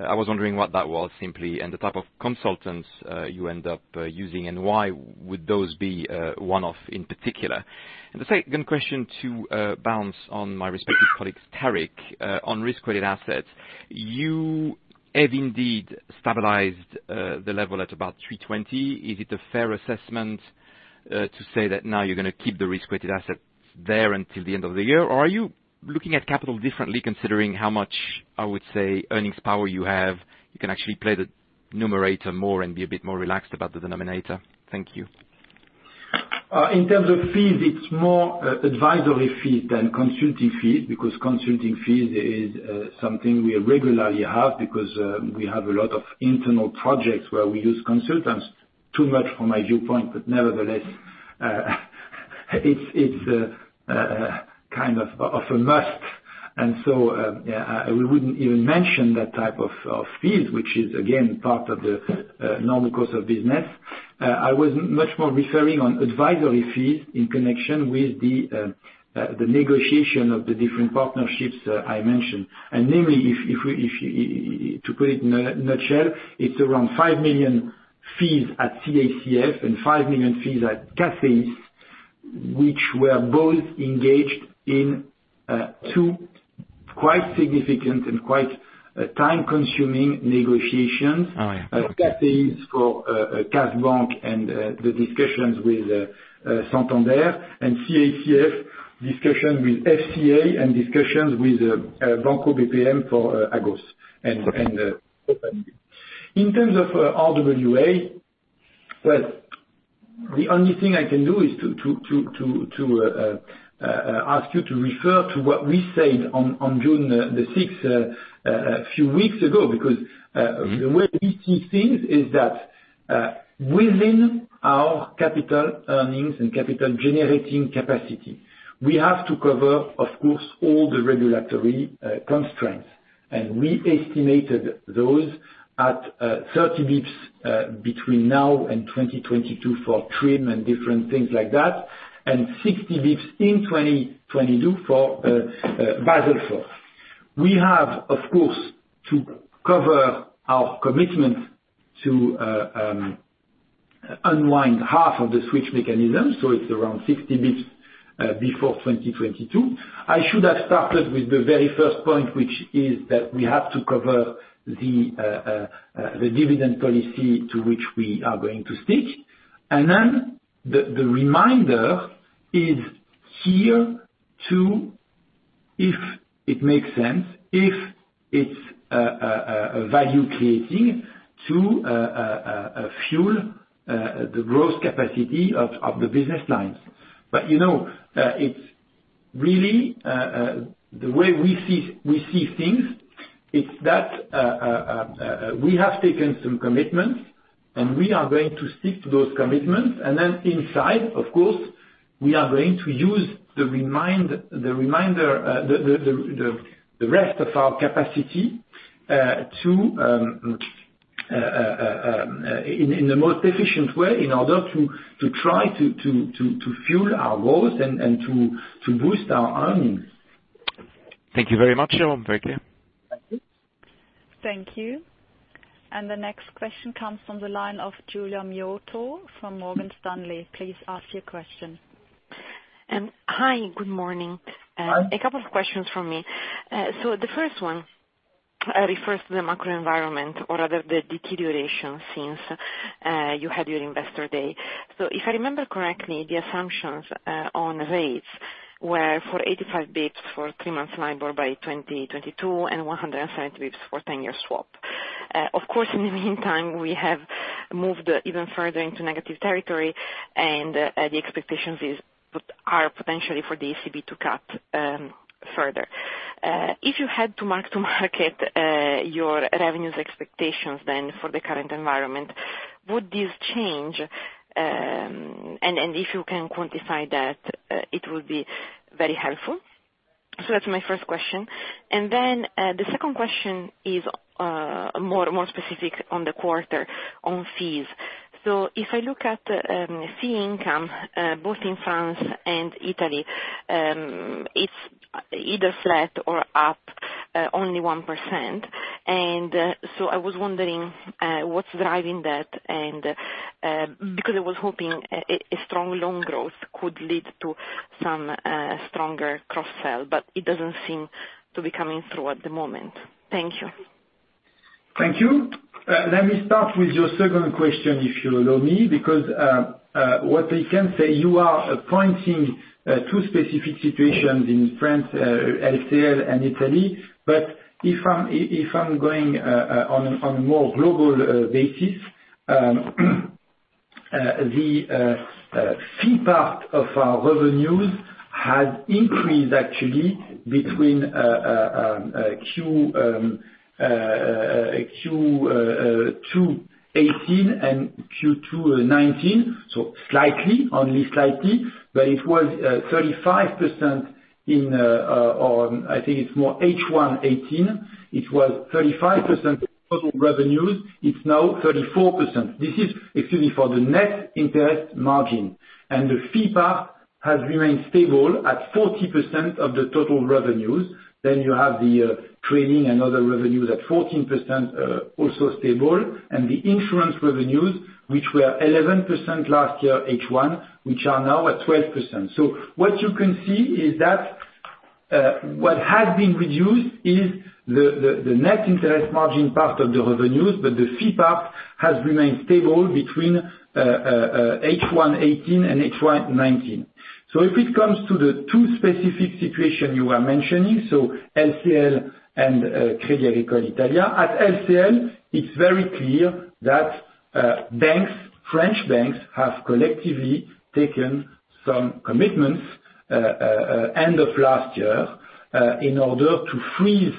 I was wondering what that was simply, and the type of consultants you end up using, and why would those be one-off in particular? The second question to bounce on my respective colleagues, Tarik, on risk-weighted assets, you have indeed stabilized the level at about 320 billion. Is it a fair assessment to say that now you're going to keep the risk-weighted assets there until the end of the year? Or are you looking at capital differently considering how much, I would say, earnings power you have, you can actually play the numerator more and be a bit more relaxed about the denominator? Thank you. In terms of fees, it's more advisory fee than consulting fee, because consulting fee is something we regularly have, because we have a lot of internal projects where we use consultants too much from my viewpoint. Nevertheless, it's kind of a must. So, we wouldn't even mention that type of fees, which is again, part of the normal course of business. I was much more referring on advisory fees in connection with the negotiation of the different partnerships I mentioned. Namely, to put it in a nutshell, it's around 5 million fees at CACF and 5 million fees at CACEIS, which were both engaged in two quite significant and quite time-consuming negotiations. Oh, yeah. CACEIS for KAS Bank, and the discussions with Santander, and CACF discussion with FCA and discussions with Banco BPM for Agos. Okay. In terms of RWA, well, the only thing I can do is to ask you to refer to what we said on June 6 a few weeks ago. The way we see things is that, within our capital earnings and capital-generating capacity, we have to cover, of course, all the regulatory constraints. We estimated those at 30 basis points between now and 2022 for TRIM and different things like that, and 60 basis points in 2022 for Basel IV. We have, of course, to cover our commitment to unwind half of the switch mechanism, so it's around 60 basis points before 2022. I should have started with the very first point, which is that we have to cover the dividend policy to which we are going to stick. The reminder is here to, if it makes sense, if it's value-creating to fuel the growth capacity of the business lines. Really, the way we see things, it's that we have taken some commitments, and we are going to stick to those commitments. Inside, of course, we are going to use the rest of our capacity in the most efficient way, in order to try to fuel our growth and to boost our earnings. Thank you very much, Jérôme. Very clear. Thank you. Thank you. The next question comes from the line of Giulia Miotto from Morgan Stanley. Please ask your question. Hi. Good morning. Hi. A couple of questions from me. The first one refers to the macro environment or rather the deterioration since you had your Investor Day. If I remember correctly, the assumptions on rates were for 85 basis points for three months LIBOR by 2022, and 105 basis points for 10-year swap. Of course, in the meantime, we have moved even further into negative territory, and the expectations are potentially for the ECB to cut further. If you had to mark to market your revenues expectations, then, for the current environment, would this change? If you can quantify that, it would be very helpful. That's my first question. The second question is more specific on the quarter on fees. If I look at fee income, both in France and Italy, it's either flat or up only 1%. I was wondering what's driving that, and because I was hoping a strong loan growth could lead to some stronger cross-sell, but it doesn't seem to be coming through at the moment. Thank you. Thank you. Let me start with your second question, if you allow me, because what I can say, you are pointing two specific situations in France, LCL, and Italy. If I'm going on a more global basis, the fee part of our revenues has increased actually between Q2 2018 and Q2 2019, only slightly, but it was 35% total revenues, or I think it's more H1 2018. It's now 34%. This is actually for the net interest margin. The fee part has remained stable at 40% of the total revenues. You have the trading and other revenues at 14%, also stable. The insurance revenues, which were 11% last year, H1, which are now at 12%. What you can see is that what has been reduced is the net interest margin part of the revenues, but the fee part has remained stable between H1 2018 and H1 2019. If it comes to the two specific situation you are mentioning, LCL and Crédit Agricole Italia. At LCL, it's very clear that French banks have collectively taken some commitments end of last year in order to freeze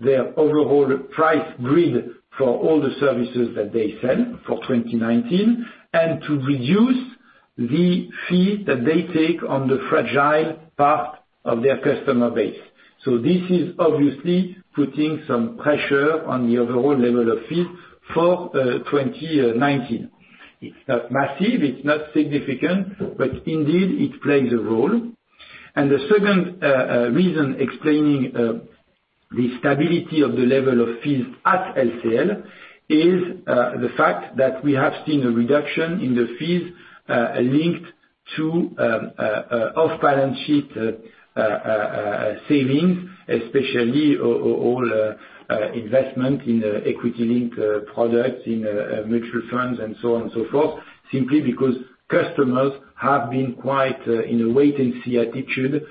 their overall price grid for all the services that they sell for 2019, and to reduce the fee that they take on the fragile part of their customer base. This is obviously putting some pressure on the overall level of fees for 2019. It's not massive, it's not significant, but indeed, it plays a role. The second reason explaining the stability of the level of fees at LCL is the fact that we have seen a reduction in the fees linked to off-balance sheet savings, especially all investment in equity-linked products, in mutual funds, and so on and so forth, simply because customers have been quite in a wait and see attitude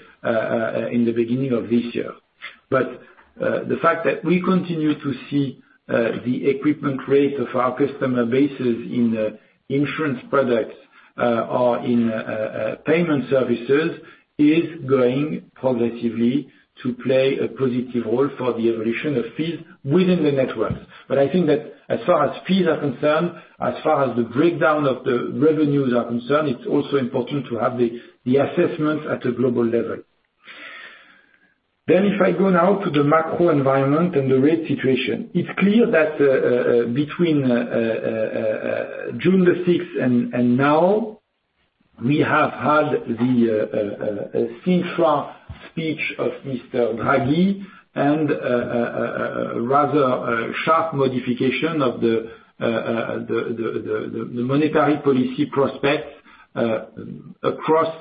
in the beginning of this year. The fact that we continue to see the equipment rates of our customer bases in the insurance products, or in payment services, is going progressively to play a positive role for the evolution of fees within the network. I think that as far as fees are concerned, as far as the breakdown of the revenues are concerned, it's also important to have the assessments at a global level. If I go now to the macro environment and the rate situation. It's clear that between June 6th and now, we have had the Sintra speech of Mr. Draghi, and a rather sharp modification of the monetary policy prospects across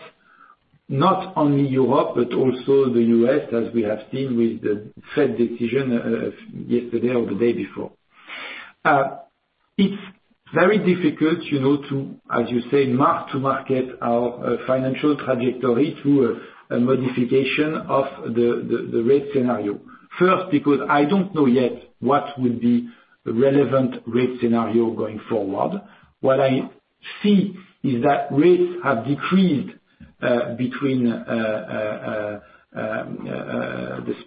not only Europe, but also the U.S., as we have seen with the Fed decision yesterday or the day before. It's very difficult to, as you say, mark to market our financial trajectory through a modification of the rate scenario. First, because I don't know yet what will be relevant rate scenario going forward. What I see is that rates have decreased between the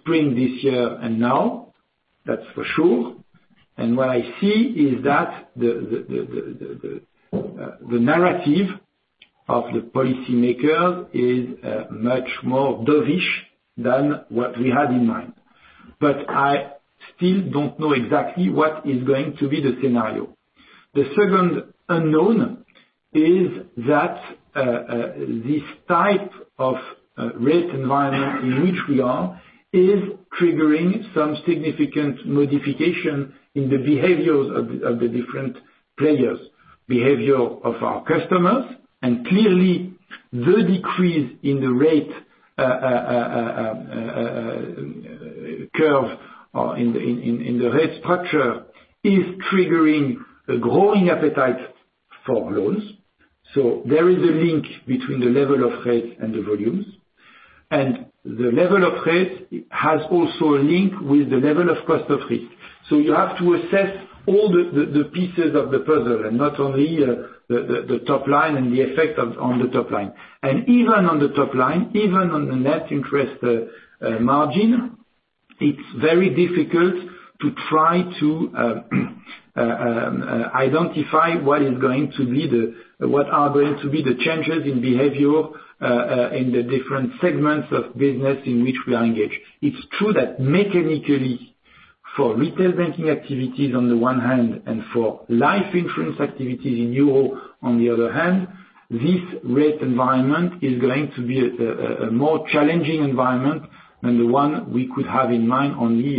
spring this year and now, that's for sure. What I see is that the narrative of the policymaker is much more dovish than what we had in mind. I still don't know exactly what is going to be the scenario. The second unknown is that this type of rate environment in which we are, is triggering some significant modification in the behaviors of the different players. Behavior of our customers, clearly the decrease in the rate curve, or in the rate structure, is triggering a growing appetite for loans. There is a link between the level of rates and the volumes. The level of rates has also a link with the level of cost of risk. You have to assess all the pieces of the puzzle, and not only the top line and the effect on the top line. Even on the top line, even on the net interest margin, it's very difficult to try to identify what are going to be the changes in behavior, in the different segments of business in which we are engaged. It's true that mechanically, for retail banking activities on the one hand, and for life insurance activities in EUR on the other hand, this rate environment is going to be a more challenging environment than the one we could have in mind only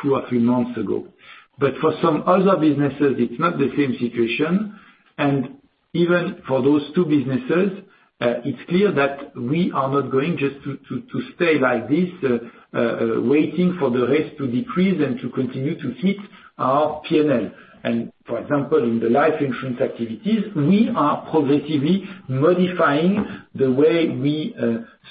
two or three months ago. For some other businesses, it's not the same situation. Even for those two businesses, it's clear that we are not going just to stay like this, waiting for the rates to decrease and to continue to hit our P&L. For example, in the life insurance activities, we are progressively modifying the way we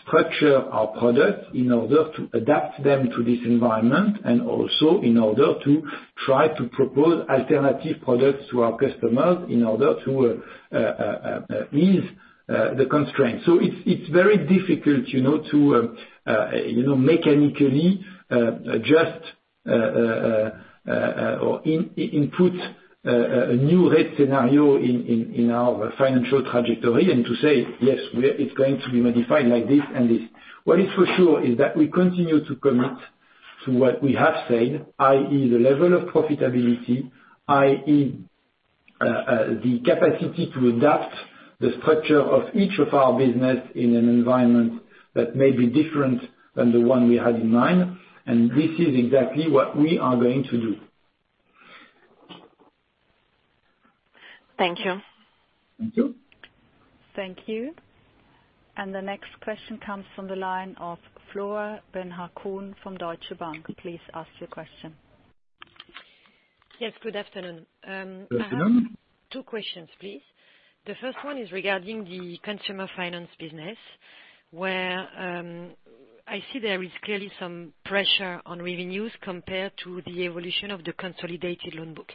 structure our products in order to adapt them to this environment, and also in order to try to propose alternative products to our customers in order to ease the constraints. It's very difficult to mechanically adjust or input a new rate scenario in our financial trajectory and to say, "Yes, it's going to be modified like this and this." What is for sure is that we continue to commit to what we have said, i.e., the level of profitability, i.e., the capacity to adapt the structure of each of our business in an environment that may be different than the one we had in mind. This is exactly what we are going to do. Thank you. Thank you. Thank you. The next question comes from the line of Flora Bocahut from Deutsche Bank. Please ask your question. Yes, good afternoon. Good afternoon. Two questions, please. The first one is regarding the consumer finance business, where I see there is clearly some pressure on revenues compared to the evolution of the consolidated loan book.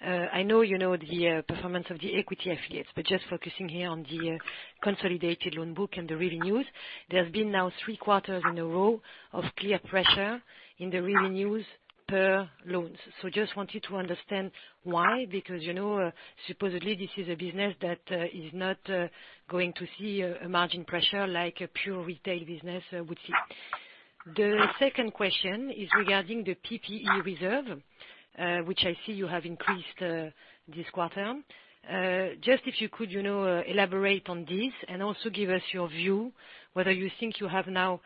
I know you know the performance of the equity affiliates, just focusing here on the consolidated loan book and the revenues. There have been now three quarters in a row of clear pressure in the revenues per loans. Just wanted to understand why, because supposedly this is a business that is not going to see a margin pressure like a pure retail business would see. The second question is regarding the PPE reserve, which I see you have increased this quarter. Just if you could elaborate on this and also give us your view, whether you think you have now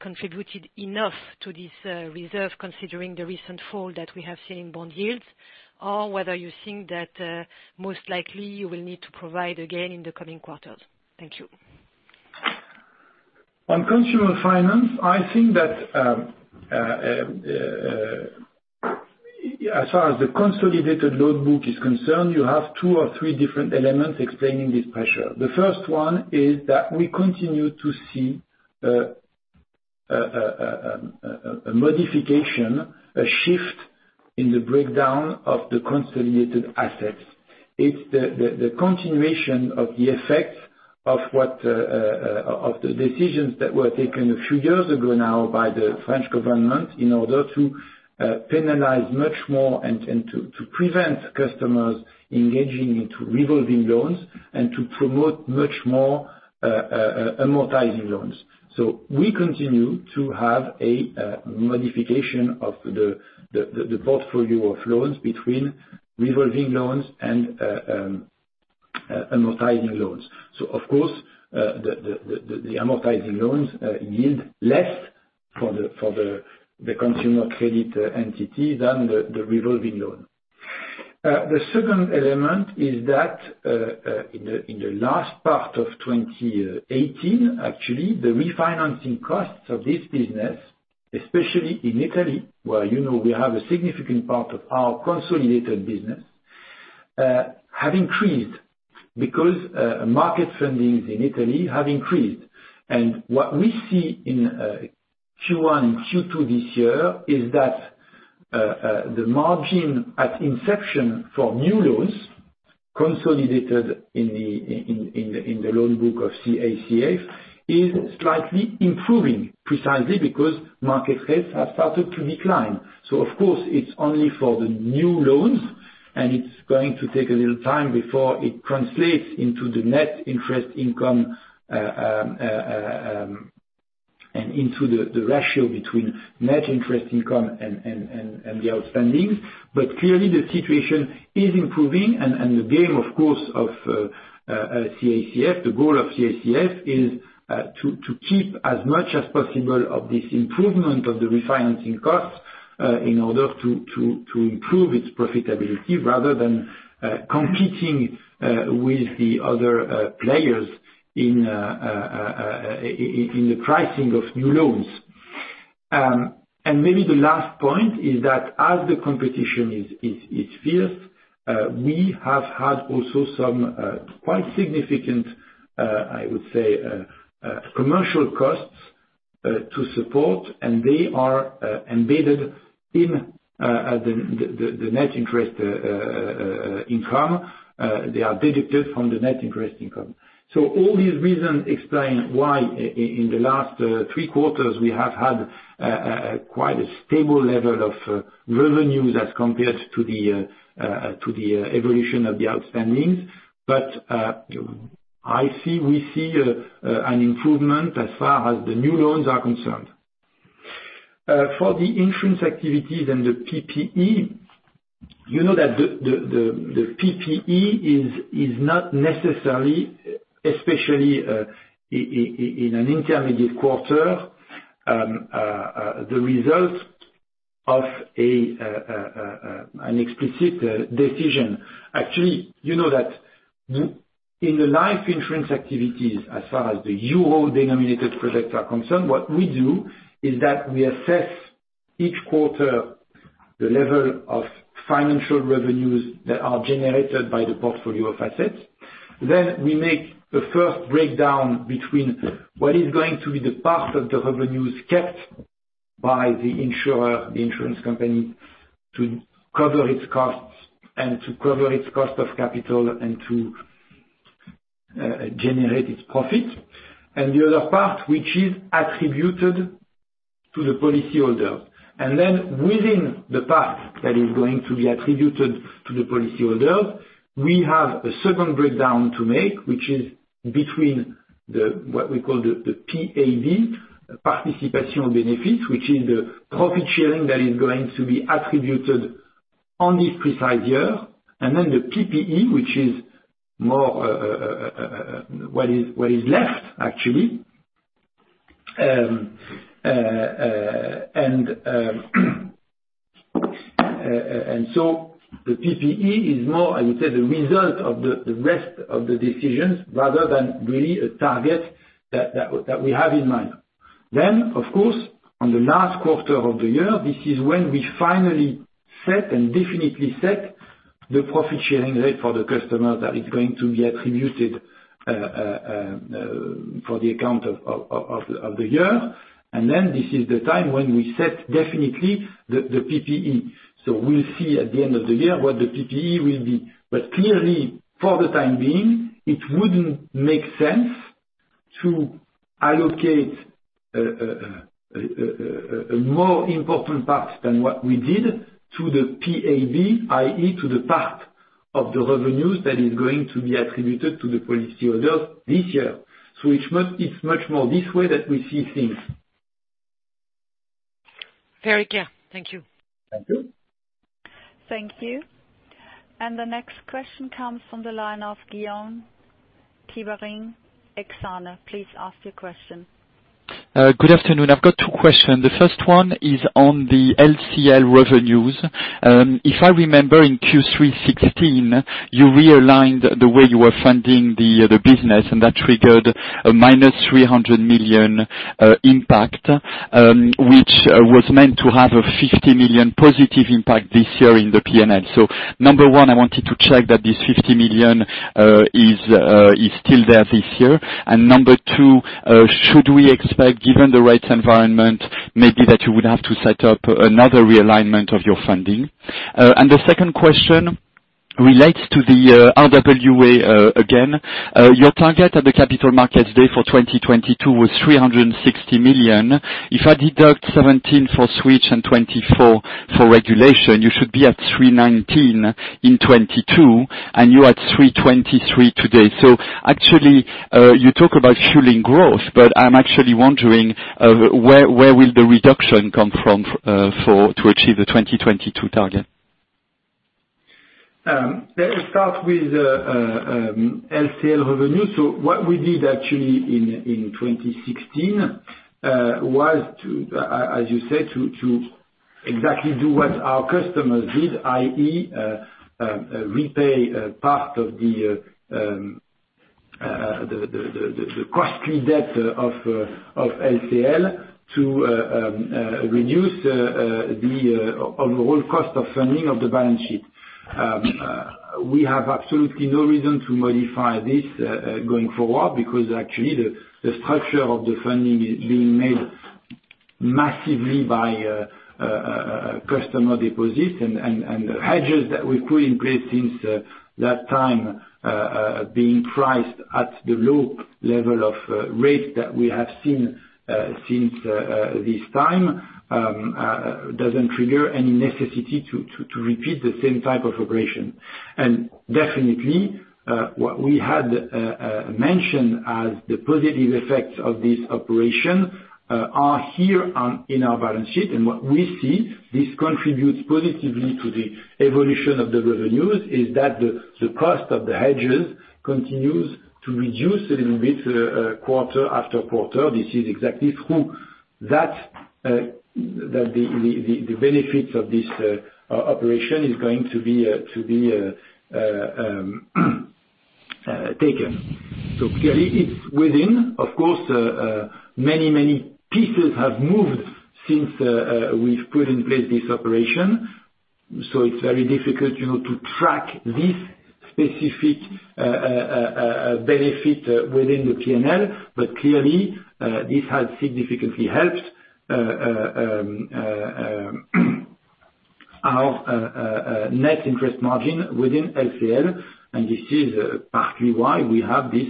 contributed enough to this reserve considering the recent fall that we have seen in bond yields, or whether you think that most likely you will need to provide again in the coming quarters. Thank you. On consumer finance, I think that as far as the consolidated loan book is concerned, you have two or three different elements explaining this pressure. The first one is that we continue to see a modification, a shift in the breakdown of the consolidated assets. It's the continuation of the effect of the decisions that were taken a few years ago now by the French government in order to penalize much more and to prevent customers engaging into revolving loans and to promote much more amortizing loans. We continue to have a modification of the portfolio of loans between revolving loans and amortizing loans. Of course, the amortizing loans yield less for the consumer credit entity than the revolving loan. The second element is that in the last part of 2018, actually, the refinancing costs of this business, especially in Italy, where you know we have a significant part of our consolidated business, have increased because market fundings in Italy have increased. What we see in Q1 and Q2 this year is that the margin at inception for new loans consolidated in the loan book of CACF is slightly improving, precisely because market rates have started to decline. Of course, it's only for the new loans, and it's going to take a little time before it translates into the net interest income and into the ratio between net interest income and the outstandings. Clearly the situation is improving and the game, of course, of CACF, the goal of CACF is to keep as much as possible of this improvement of the refinancing costs in order to improve its profitability rather than competing with the other players in the pricing of new loans. Maybe the last point is that as the competition is fierce, we have had also some quite significant, I would say, commercial costs to support, and they are embedded in the net interest income. They are deducted from the net interest income. All these reasons explain why in the last three quarters, we have had quite a stable level of revenues as compared to the evolution of the outstandings. I see, we see an improvement as far as the new loans are concerned. For the insurance activities and the PPE, you know that the PPE is not necessary, especially in an intermediate quarter, the result of an explicit decision. Actually, you know that in the life insurance activities, as far as the euro-denominated projects are concerned, what we do is that we assess each quarter the level of financial revenues that are generated by the portfolio of assets. We make the first breakdown between what is going to be the part of the revenues kept by the insurer, the insurance company, to cover its costs and to cover its cost of capital and to generate its profit. The other part, which is attributed to the policyholder. Within the part that is going to be attributed to the policyholder, we have a second breakdown to make, which is between the, what we call the PAB, participation benefit, which is the profit sharing that is going to be attributed on this precise year, and then the PPE, which is more what is left, actually. The PPE is more, I would say, the result of the rest of the decisions, rather than really a target that we have in mind. Of course, on the last quarter of the year, this is when we finally set, and definitely set, the profit-sharing rate for the customer that is going to be attributed for the account of the year. This is the time when we set, definitely, the PPE. We'll see at the end of the year what the PPE will be. Clearly, for the time being, it wouldn't make sense to allocate a more important part than what we did to the PAB, i.e., to the part of the revenues that is going to be attributed to the policyholder this year. It's much more this way that we see things. Very clear. Thank you. Thank you. Thank you. The next question comes from the line of Guillaume Tiberghien, Exane. Please ask your question. Good afternoon. I've got two questions. The first one is on the LCL revenues. If I remember in Q3 2016, you realigned the way you were funding the business, and that triggered a -300 million impact, which was meant to have a 50 million positive impact this year in the P&L. Number one, I wanted to check that this EUR 50 million is still there this year. Number two, should we expect, given the rates environment, maybe that you would have to set up another realignment of your funding? The second question relates to the RWA again. Your target at the Capital Markets Day for 2022 was 360 million. If I deduct 17 million for Switch and 24 million for regulation, you should be at 319 million in 2022, and you're at 323 million today. Actually, you talk about fueling growth, but I'm actually wondering, where will the reduction come from to achieve the 2022 target? Let me start with LCL revenue. What we did, actually, in 2016, was to, as you said, to exactly do what our customers did, i.e., repay part of the costly debt of LCL to reduce the overall cost of funding of the balance sheet. We have absolutely no reason to modify this going forward, because actually, the structure of the funding is being made massively by customer deposits and hedges that we put in place since that time, being priced at the low level of rate that we have seen since this time, doesn't trigger any necessity to repeat the same type of operation. Definitely, what we had mentioned as the positive effects of this operation are here in our balance sheet. What we see, this contributes positively to the evolution of the revenues, is that the cost of the hedges continues to reduce a little bit, quarter after quarter. This is exactly through that, the benefits of this operation is going to be taken. Clearly, it's within, of course, many pieces have moved since we've put in place this operation. It's very difficult to track this specific benefit within the P&L. Clearly, this has significantly helped, our net interest margin within LCL, and this is partly why we have this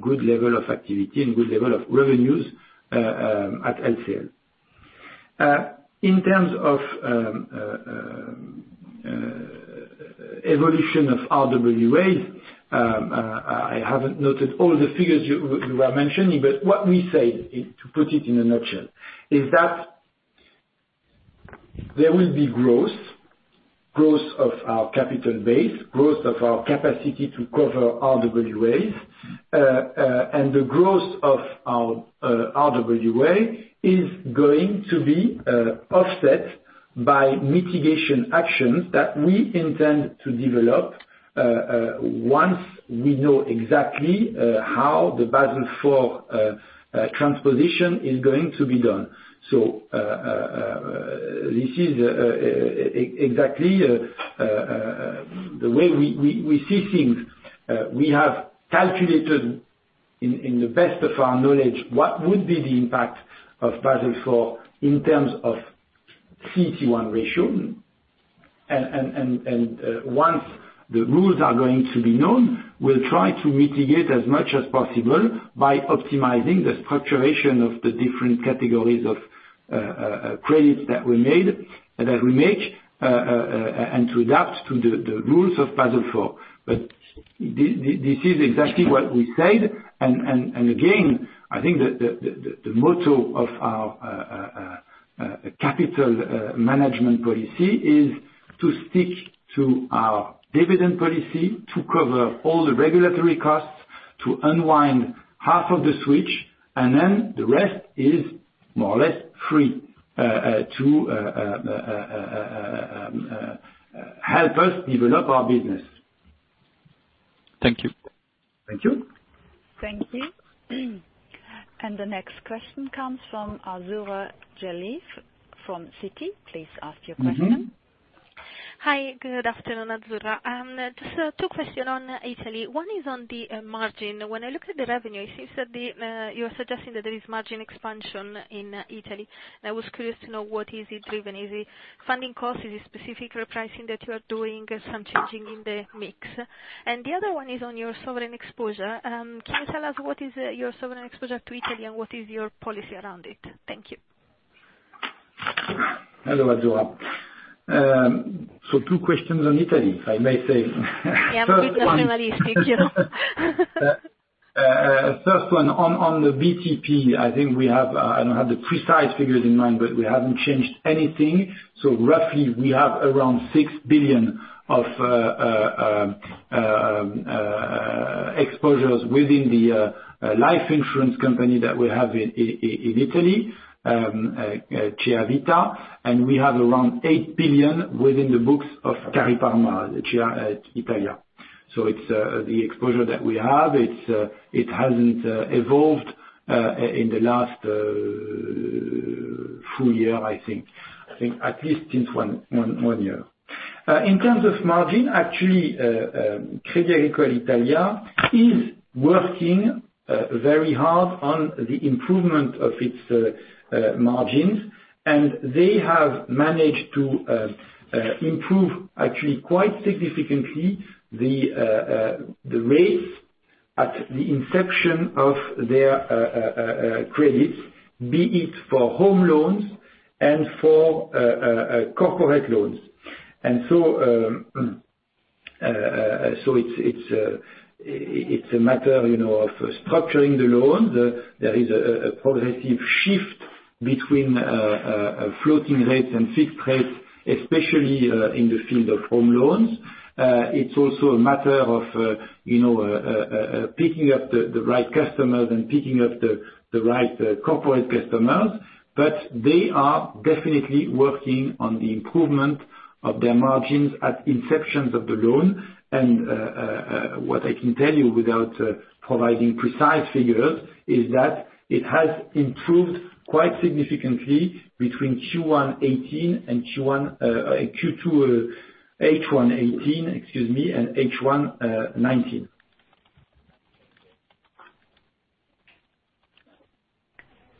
good level of activity and good level of revenues at LCL. In terms of evolution of RWAs, I haven't noted all the figures you are mentioning, what we say, to put it in a nutshell, is that there will be growth of our capital base, growth of our capacity to cover RWAs. The growth of our RWA is going to be offset by mitigation actions that we intend to develop, once we know exactly how the Basel IV transposition is going to be done. This is exactly the way we see things. We have calculated in the best of our knowledge, what would be the impact of Basel IV in terms of CET1 ratio. Once the rules are going to be known, we'll try to mitigate as much as possible by optimizing the structuration of the different categories of credits that we make, and to adapt to the rules of Basel IV. This is exactly what we said, and again, I think the motto of our capital management policy is to stick to our dividend policy to cover all the regulatory costs, to unwind half of the switch, and then the rest is more or less free to help us develop our business. Thank you. Thank you. Thank you. The next question comes from Azzurra Guelfi from Citi. Please ask your question. Hi, Good afternoon. Azzurra. Just two question on Italy. One is on the margin. When I look at the revenue, it seems that you're suggesting that there is margin expansion in Italy. I was curious to know what is it driven? Is it funding cost? Is it specific repricing that you are doing some changing in the mix? The other one is on your sovereign exposure. Can you tell us what is your sovereign exposure to Italy and what is your policy around it? Thank you. Hello, Azzurra. Two questions on Italy, if I may say. Yeah, I'm a bit nationalistic here. First one, on the BTP, I think we have, I don't have the precise figures in mind, but we haven't changed anything. Roughly, we have around 6 billion of exposures within the life insurance company that we have in Italy, CA Vita, and we have around 8 billion within the books of Cariparma, Crédit Agricole Italia. It's the exposure that we have. It hasn't evolved in the last full year, I think. I think at least since one year. In terms of margin, actually, Crédit Agricole Italia is working very hard on the improvement of its margins. They have managed to improve, actually quite significantly, the rates at the inception of their credits, be it for home loans and for corporate loans. It's a matter of structuring the loans. There is a progressive shift between floating rates and fixed rates, especially in the field of home loans. It's also a matter of picking up the right customers and picking up the right corporate customers. They are definitely working on the improvement of their margins at inceptions of the loan. What I can tell you without providing precise figures is that it has improved quite significantly between H1 2018 and H1 2019.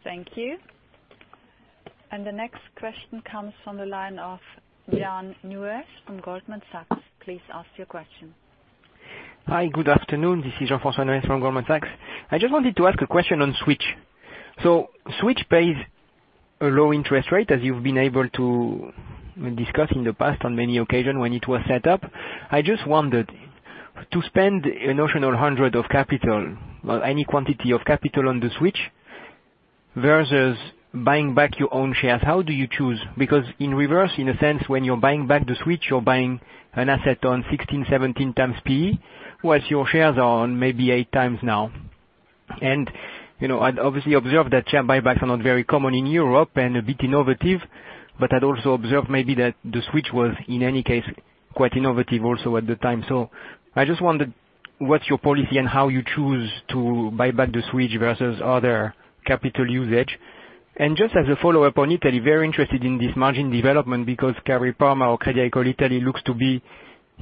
Thank you. The next question comes from the line of Jean Neuez from Goldman Sachs. Please ask your question. Hi, good afternoon. This is Jean-Francois Neuez from Goldman Sachs. I just wanted to ask a question on switch. Switch pays a low interest rate, as you've been able to discuss in the past on many occasions when it was set up. I just wondered, to spend a notional 100 of capital, any quantity of capital on the switch, versus buying back your own shares, how do you choose? In reverse, in a sense, when you're buying back the switch, you're buying an asset on 16x, 17x PE, whilst your shares are on maybe 8x now. I'd obviously observed that share buybacks are not very common in Europe and a bit innovative, but I'd also observed maybe that the Switch was, in any case, quite innovative also at the time. I just wondered, what's your policy and how you choose to buy back the Switch versus other capital usage? Just as a follow-up on Italy, very interested in this margin development because Cariparma or Crédit Agricole Italia looks to be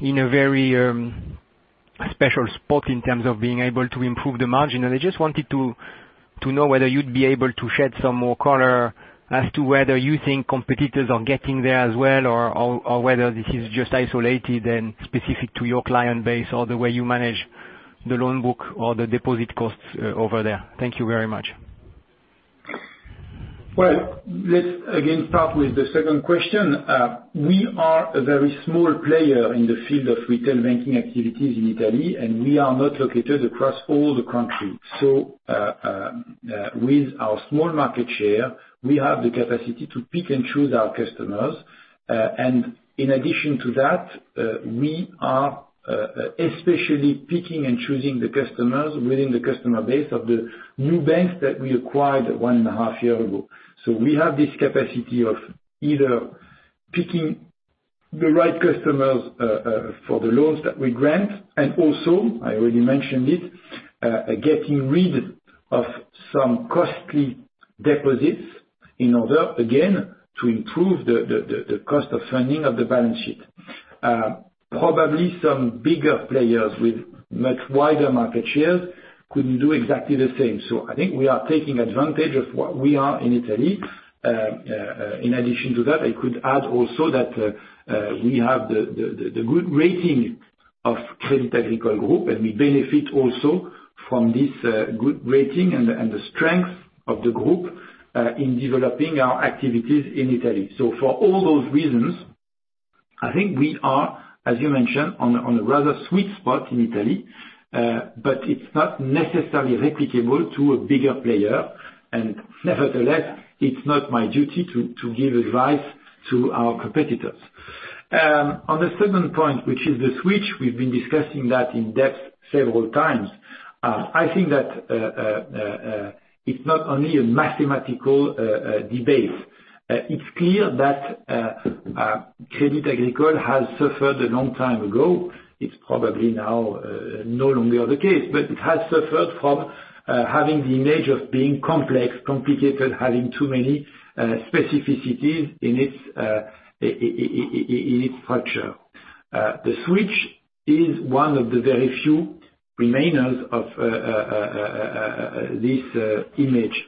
in a very special spot in terms of being able to improve the margin. I just wanted to know whether you'd be able to shed some more color as to whether you think competitors are getting there as well, or whether this is just isolated and specific to your client base, or the way you manage the loan book or the deposit costs over there. Thank you very much. Well, let's again start with the second question. We are a very small player in the field of retail banking activities in Italy, and we are not located across all the country. With our small market share, we have the capacity to pick and choose our customers. In addition to that, we are especially picking and choosing the customers within the customer base of the new banks that we acquired one and a half year ago. We have this capacity of either picking the right customers for the loans that we grant, and also, I already mentioned it, getting rid of some costly deposits in order, again, to improve the cost of funding of the balance sheet. Probably some bigger players with much wider market shares could do exactly the same. I think we are taking advantage of what we are in Italy. In addition to that, I could add also that we have the good rating of Crédit Agricole Group, and we benefit also from this good rating and the strength of the Group in developing our activities in Italy. For all those reasons, I think we are, as you mentioned, on a rather sweet spot in Italy, but it's not necessarily replicable to a bigger player. Nevertheless, it's not my duty to give advice to our competitors. On the second point, which is the Switch, we've been discussing that in depth several times. I think that it's not only a mathematical debate. It's clear that Crédit Agricole has suffered a long time ago. It's probably now no longer the case, but it has suffered from having the image of being complex, complicated, having too many specificities in its structure. The Switch is one of the very few remainders of this image.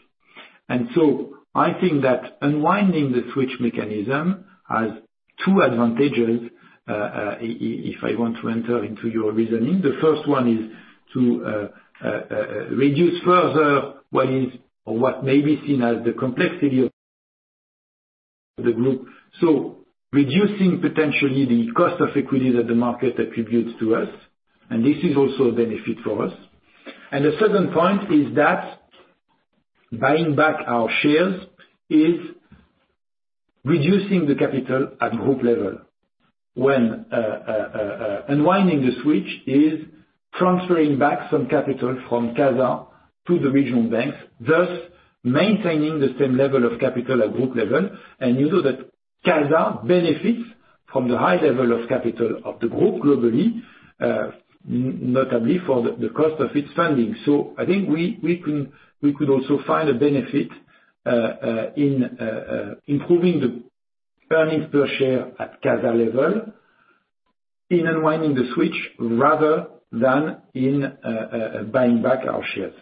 I think that unwinding the Switch mechanism has two advantages, if I want to enter into your reasoning. The first one is to reduce further what is or what may be seen as the complexity of the group. Reducing potentially the cost of equity that the market attributes to us, and this is also a benefit for us. The second point is that buying back our shares is reducing the capital at group level when unwinding the Switch is transferring back some capital from CASA to the regional banks, thus maintaining the same level of capital at group level. You know that CASA benefits from the high level of capital of the group globally, notably for the cost of its funding. I think we could also find a benefit in improving the earnings per share at CASA level in unwinding the switch rather than in buying back our shares.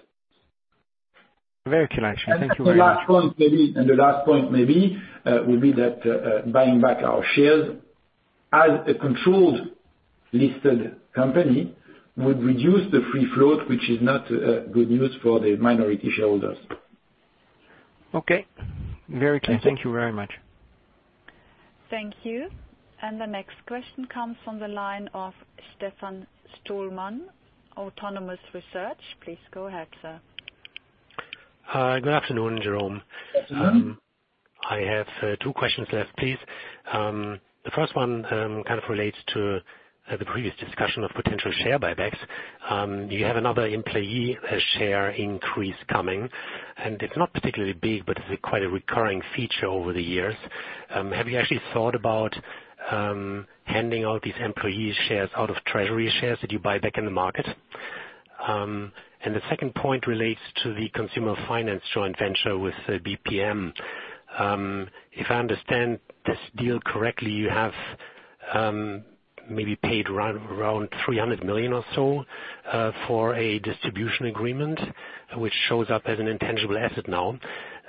Very clear, actually. Thank you very much. The last point maybe would be that buying back our shares as a controlled, listed company would reduce the free float, which is not good news for the minority shareholders. Okay. Very clear. Thank you very much. Thank you. The next question comes from the line of Stefan Stalmann, Autonomous Research. Please go ahead, sir. Hi. Good afternoon, Jérôme. Good afternoon. I have two questions left, please. The first one kind of relates to the previous discussion of potential share buybacks. You have another employee share increase coming, and it's not particularly big, but it's quite a recurring feature over the years. Have you actually thought about handing out these employee shares out of treasury shares that you buy back in the market? The second point relates to the consumer finance joint venture with Banco BPM. If I understand this deal correctly, you have maybe paid around 300 million or so for a distribution agreement, which shows up as an intangible asset now.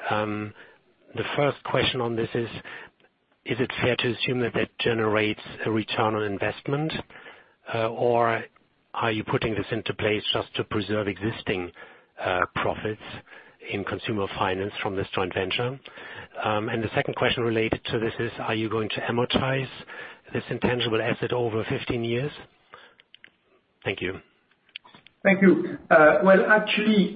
The first question on this is it fair to assume that that generates a return on investment, or are you putting this into place just to preserve existing profits in consumer finance from this joint venture? The second question related to this is: Are you going to amortize this intangible asset over 15 years? Thank you. Thank you. Well, actually,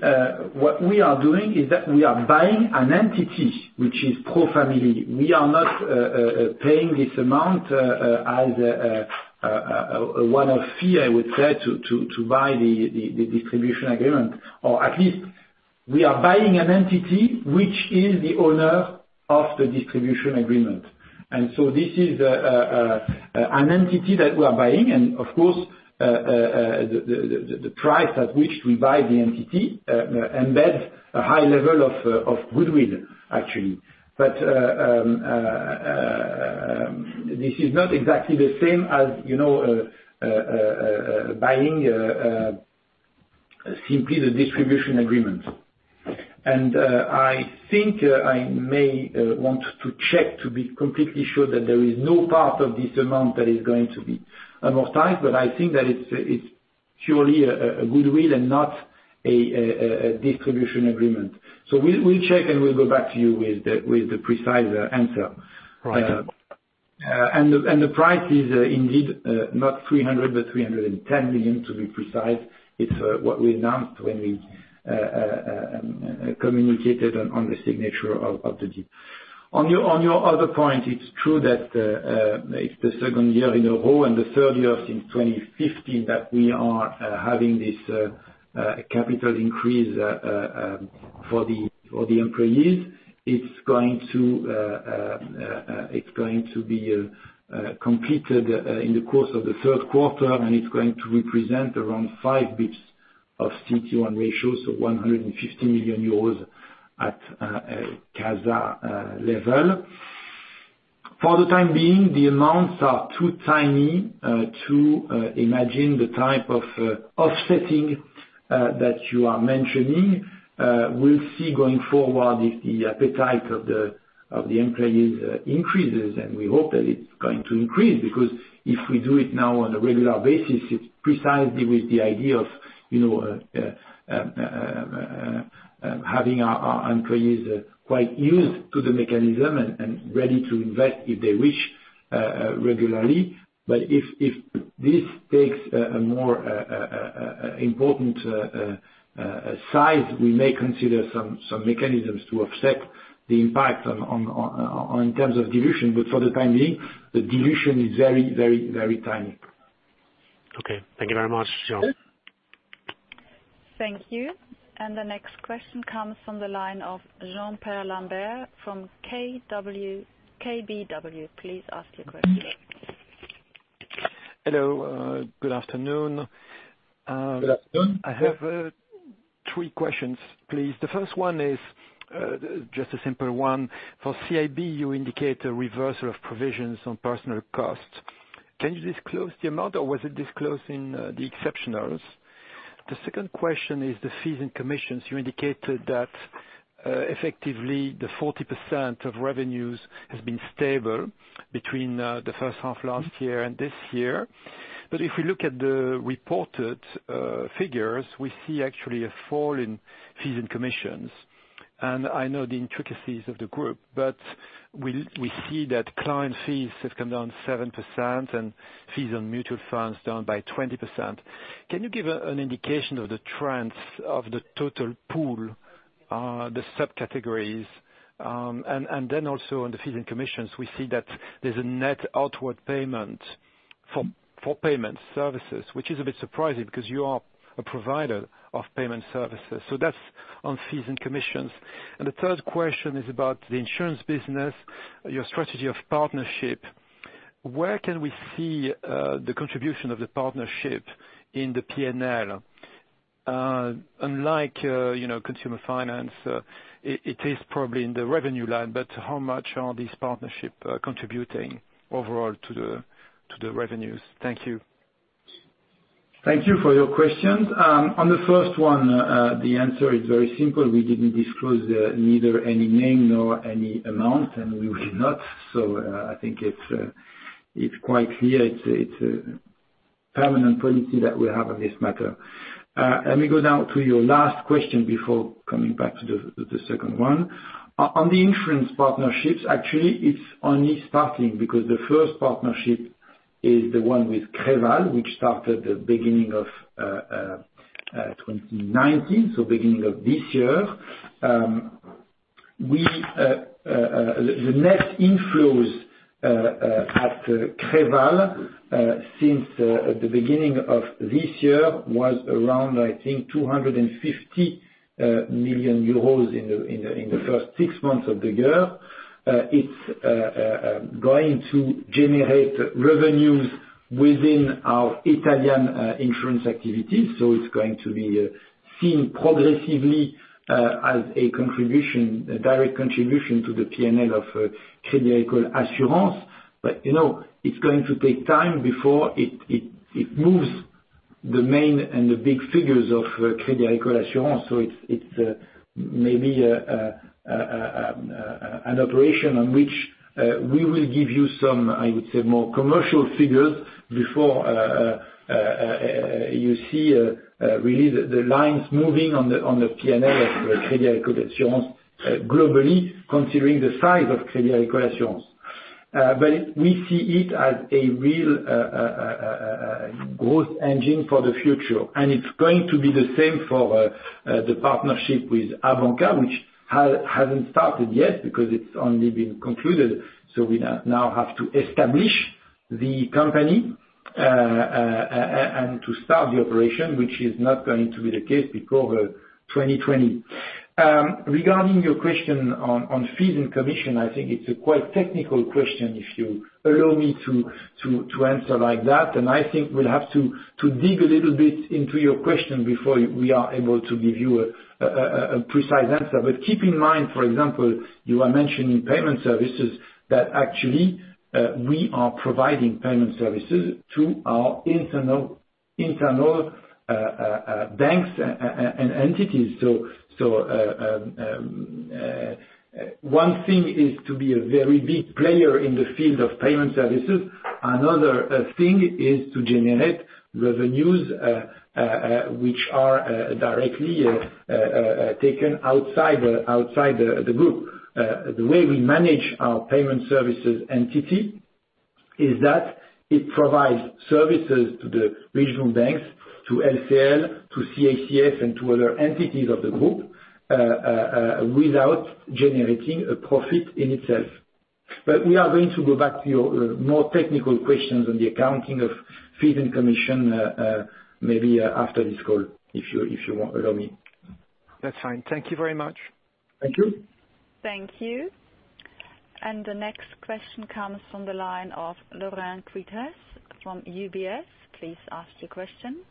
what we are doing is that we are buying an entity, which is ProFamily. We are not paying this amount as one-off fee, I would say, to buy the distribution agreement. At least we are buying an entity which is the owner of the distribution agreement. This is an entity that we are buying, and of course, the price at which we buy the entity embeds a high level of goodwill, actually. This is not exactly the same as buying simply the distribution agreement. I think I may want to check to be completely sure that there is no part of this amount that is going to be amortized, but I think that it's purely a goodwill and not a distribution agreement. We'll check, and we'll go back to you with the precise answer. Right. The price is indeed not 300, but 310 million, to be precise. It is what we announced when we communicated on the signature of the deal. On your other point, it is true that it is the second year in a row and the third year since 2015 that we are having this capital increase for the employees. It is going to be completed in the course of the third quarter. It is going to represent around five basis points of CET1 ratio, so 150 million euros at a CASA level. For the time being, the amounts are too tiny to imagine the type of offsetting that you are mentioning. We'll see going forward, if the appetite of the employees increases. We hope that it's going to increase, because if we do it now on a regular basis, it's precisely with the idea of having our employees quite used to the mechanism and ready to invest if they wish regularly. If this takes a more important size, we may consider some mechanisms to offset the impact in terms of dilution. For the time being, the dilution is very tiny. Okay. Thank you very much, Jérôme. Thank you. The next question comes from the line of Jean-Pierre Lambert from KBW. Please ask your question. Hello, good afternoon. Good afternoon. I have three questions, please. The first one is just a simple one. For CIB, you indicate a reversal of provisions on personal costs. Can you disclose the amount or was it disclosed in the exceptionals? The second question is the fees and commissions. You indicated that effectively the 40% of revenues has been stable between the first half last year and this year. If we look at the reported figures, we see actually a fall in fees and commissions. I know the intricacies of the group, but we see that client fees have come down 7% and fees on mutual funds down by 20%. Can you give an indication of the trends of the total pool, the subcategories? Then also on the fees and commissions, we see that there's a net outward payment for payment services, which is a bit surprising because you are a provider of payment services. That's on fees and commissions. The third question is about the insurance business, your strategy of partnership. Where can we see the contribution of the partnership in the P&L? Unlike consumer finance, it is probably in the revenue line, but how much are these partnership contributing overall to the revenues? Thank you. Thank you for your questions. On the first one, the answer is very simple. We didn't disclose neither any name nor any amount, and we will not. I think it's quite clear. It's a permanent policy that we have on this matter. Let me go now to your last question before coming back to the second one. On the insurance partnerships, actually, it's only starting because the first partnership is the one with Creval, which started at the beginning of 2019, so beginning of this year. The net inflows at Creval since the beginning of this year was around, I think, 250 million euros in the first six months of the year. It's going to generate revenues within our Italian insurance activities. It's going to be seen progressively as a direct contribution to the P&L of Crédit Agricole Assurances. It's going to take time before it moves the main and the big figures of Crédit Agricole Assurances. It's maybe an operation on which we will give you some, I would say, more commercial figures before you see, really, the lines moving on the P&L of Crédit Agricole Assurances, globally, considering the size of Crédit Agricole Assurances. We see it as a real growth engine for the future, and it's going to be the same for the partnership with Abanca, which hasn't started yet because it's only been concluded. We now have to establish the company and to start the operation, which is not going to be the case before 2020. Regarding your question on fees and commission, I think it's a quite technical question, if you allow me to answer like that. I think we'll have to dig a little bit into your question before we are able to give you a precise answer. Keep in mind, for example, you are mentioning payment services, that actually we are providing payment services to our internal banks and entities. One thing is to be a very big player in the field of payment services. Another thing is to generate revenues, which are directly taken outside the group. The way we manage our payment services entity is that it provides services to the regional banks, to LCL, to CACF, and to other entities of the group, without generating a profit in itself. We are going to go back to your more technical questions on the accounting of fees and commission, maybe after this call, if you allow me. That's fine. Thank you very much. Thank you. Thank you. The next question comes from the line of Lorraine Quoirez from UBS. Please ask your question.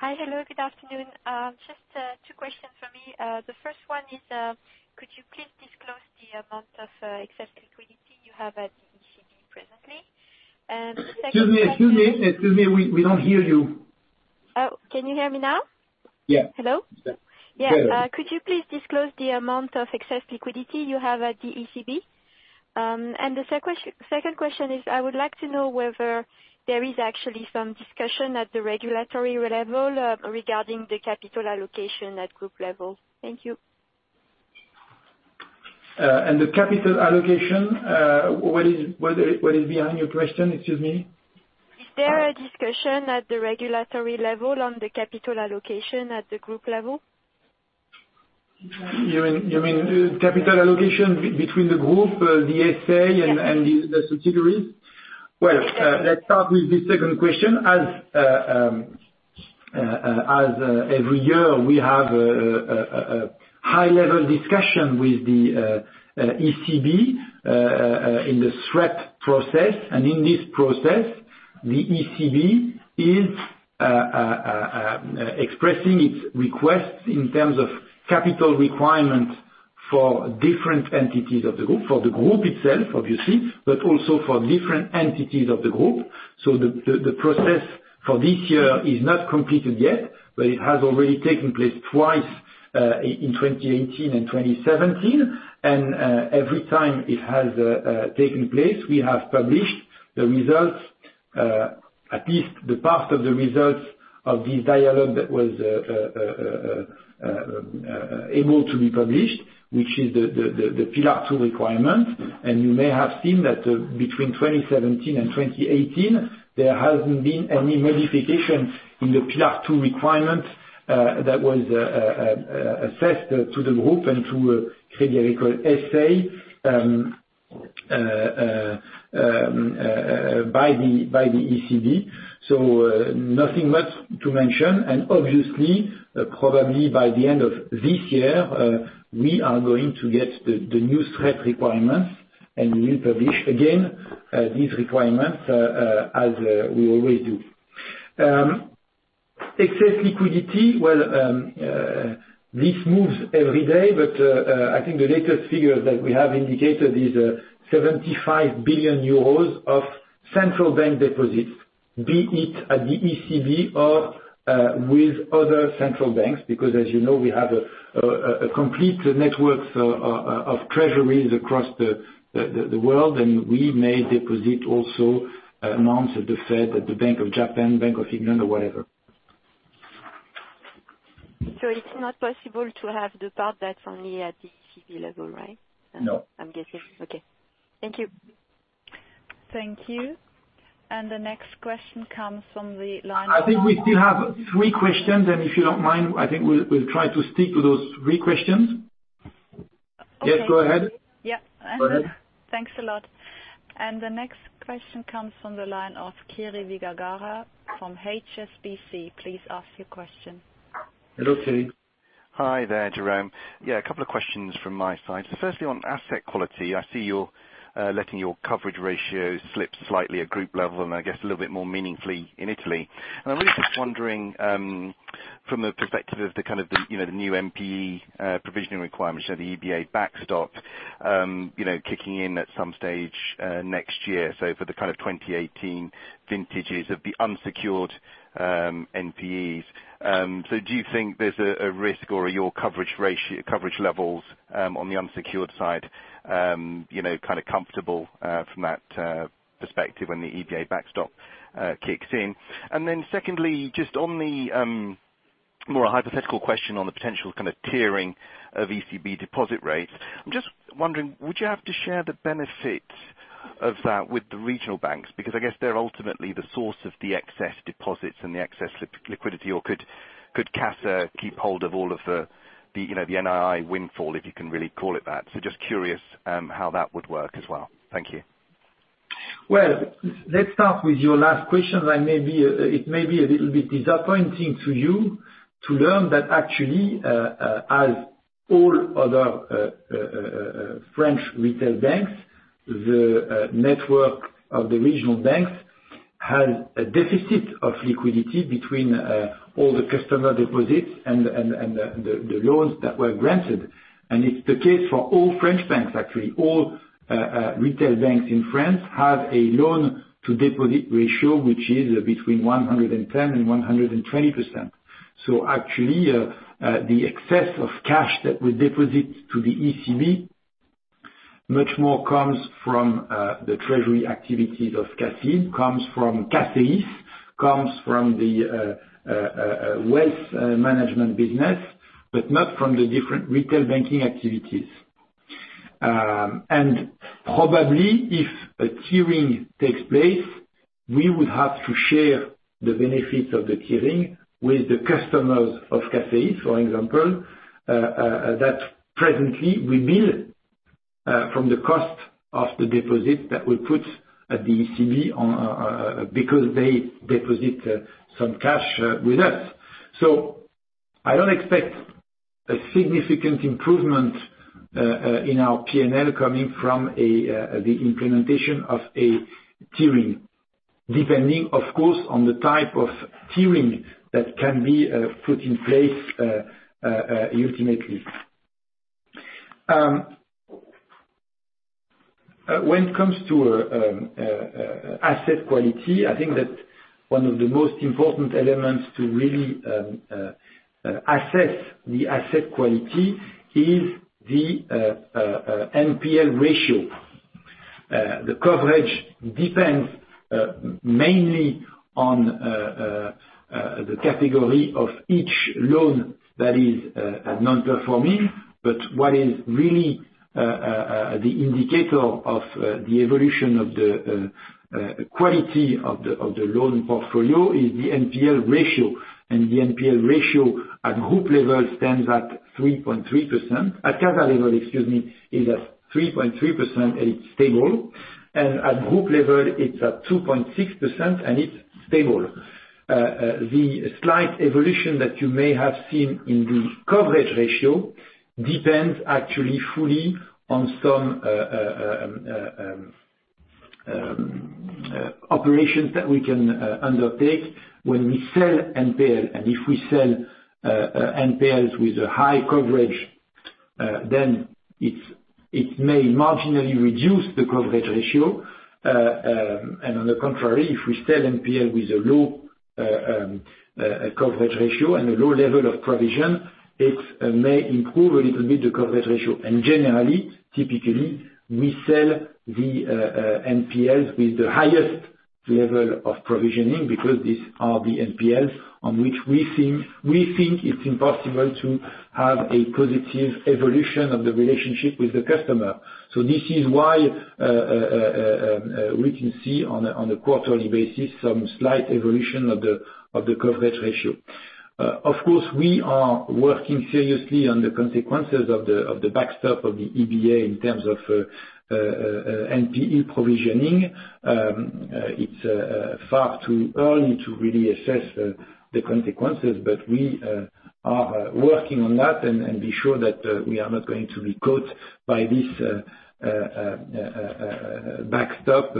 Hi. Hello, good afternoon. Just two questions for me. The first one is, could you please disclose the amount of excess liquidity you have at ECB presently? The second one. Excuse me. We don't hear you. Oh, can you hear me now? Yeah. Hello? Yeah. Yeah. Go ahead. Could you please disclose the amount of excess liquidity you have at the ECB? The second question is, I would like to know whether there is actually some discussion at the regulatory level regarding the capital allocation at group level. Thank you. The capital allocation, what is behind your question? Excuse me. Is there a discussion at the regulatory level on the capital allocation at the group level? You mean the capital allocation between the group, the S.A., and the subsidiaries? Well, let's start with the second question. As every year, we have a high-level discussion with the ECB in the SREP process. In this process, the ECB is expressing its requests in terms of capital requirement for different entities of the group, for the group itself, obviously, but also for different entities of the group. The process for this year is not completed yet, but it has already taken place twice, in 2018 and 2017. Every time it has taken place, we have published the results, at least the part of the results of this dialogue that was able to be published, which is the Pillar 2 requirement. You may have seen that between 2017 and 2018, there hasn't been any modification in the Pillar 2 requirement that was assessed to the group and to Crédit Agricole S.A. by the ECB. Nothing much to mention. Obviously, probably by the end of this year, we are going to get the new threat requirements, and we'll publish again these requirements as we always do. Excess liquidity. Well, this moves every day, but I think the latest figures that we have indicated is 75 billion euros of central bank deposits, be it at the ECB or with other central banks, because as you know, we have a complete network of treasuries across the world, and we may deposit also amounts at the Fed, at the Bank of Japan, Bank of England, or whatever. It's not possible to have the part that's only at ECB level, right? No. I'm guessing. Okay. Thank you. Thank you. The next question comes from the line of. I think we still have three questions, and if you don't mind, I think we'll try to stick to those three questions. Okay. Yes, go ahead. Yeah. Go ahead. Thanks a lot. The next question comes from the line of Kirishanthan Vijayarajah from HSBC. Please ask your question. Hello, Kiri. Hi there, Jérôme. Yeah, a couple of questions from my side. Firstly, on asset quality, I see you're letting your coverage ratio slip slightly at group level, and I guess a little bit more meaningfully in Italy. I'm really just wondering, from a perspective of the kind of the new NPE provisioning requirements, so the EBA backstop kicking in at some stage next year. For the kind of 2018 vintages of the unsecured NPEs. Do you think there's a risk, or are your coverage levels on the unsecured side kind of comfortable from that perspective when the EBA backstop kicks in? Secondly, just on the more hypothetical question on the potential kind of tiering of ECB deposit rates. I'm just wondering, would you have to share the benefit of that with the regional banks? Because I guess they're ultimately the source of the excess deposits and the excess liquidity, or could CASA keep hold of all of the NII windfall, if you can really call it that. Just curious how that would work as well. Thank you. Let's start with your last question. It may be a little bit disappointing to you to learn that actually as all other French retail banks, the network of the regional banks has a deficit of liquidity between all the customer deposits and the loans that were granted. It's the case for all French banks, actually. All retail banks in France have a loan to deposit ratio, which is between 110% and 120%. Actually, the excess of cash that we deposit to the ECB much more comes from the treasury activities of CACEIS, comes from CACEIS, comes from the wealth management business, but not from the different retail banking activities. Probably if a tiering takes place, we would have to share the benefits of the tiering with the customers of CACEIS, for example, that presently we bill from the cost of the deposit that we put at the ECB, because they deposit some cash with us. I don't expect a significant improvement in our P&L coming from the implementation of a tiering, depending, of course, on the type of tiering that can be put in place ultimately. When it comes to asset quality, I think that one of the most important elements to really assess the asset quality is the NPL ratio. The coverage depends mainly on the category of each loan that is non-performing, but what is really the indicator of the evolution of the quality of the loan portfolio is the NPL ratio. The NPL ratio at group level stands at 3.3%. At CASA level, excuse me, is at 3.3%. It's stable. At group level, it's at 2.6%. It's stable. The slight evolution that you may have seen in the coverage ratio depends actually fully on some operations that we can undertake when we sell NPL. If we sell NPLs with a high coverage, then it may marginally reduce the coverage ratio. On the contrary, if we sell NPL with a low coverage ratio and a low level of provision, it may improve a little bit, the coverage ratio. Generally, typically, we sell the NPLs with the highest level of provisioning, because these are the NPLs on which we think it's impossible to have a positive evolution of the relationship with the customer. This is why we can see, on a quarterly basis, some slight evolution of the coverage ratio. Of course, we are working seriously on the consequences of the backstop of the EBA in terms of NPE provisioning. It's far too early to really assess the consequences. We are working on that. Be sure that we are not going to be caught by this backstop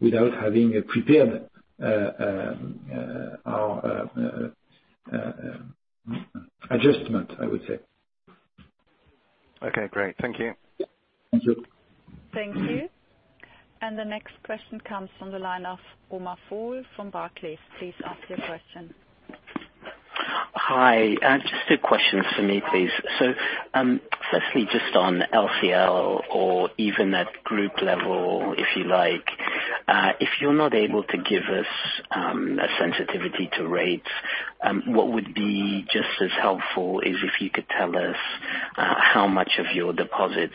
without having prepared our adjustment, I would say. Okay, great. Thank you. Thank you. Thank you. The next question comes from the line of Omar Fall from Barclays. Please ask your question. Hi. Just two questions for me, please. Firstly, just on LCL, or even at group level, if you like. If you're not able to give us a sensitivity to rates, what would be just as helpful is if you could tell us how much of your deposits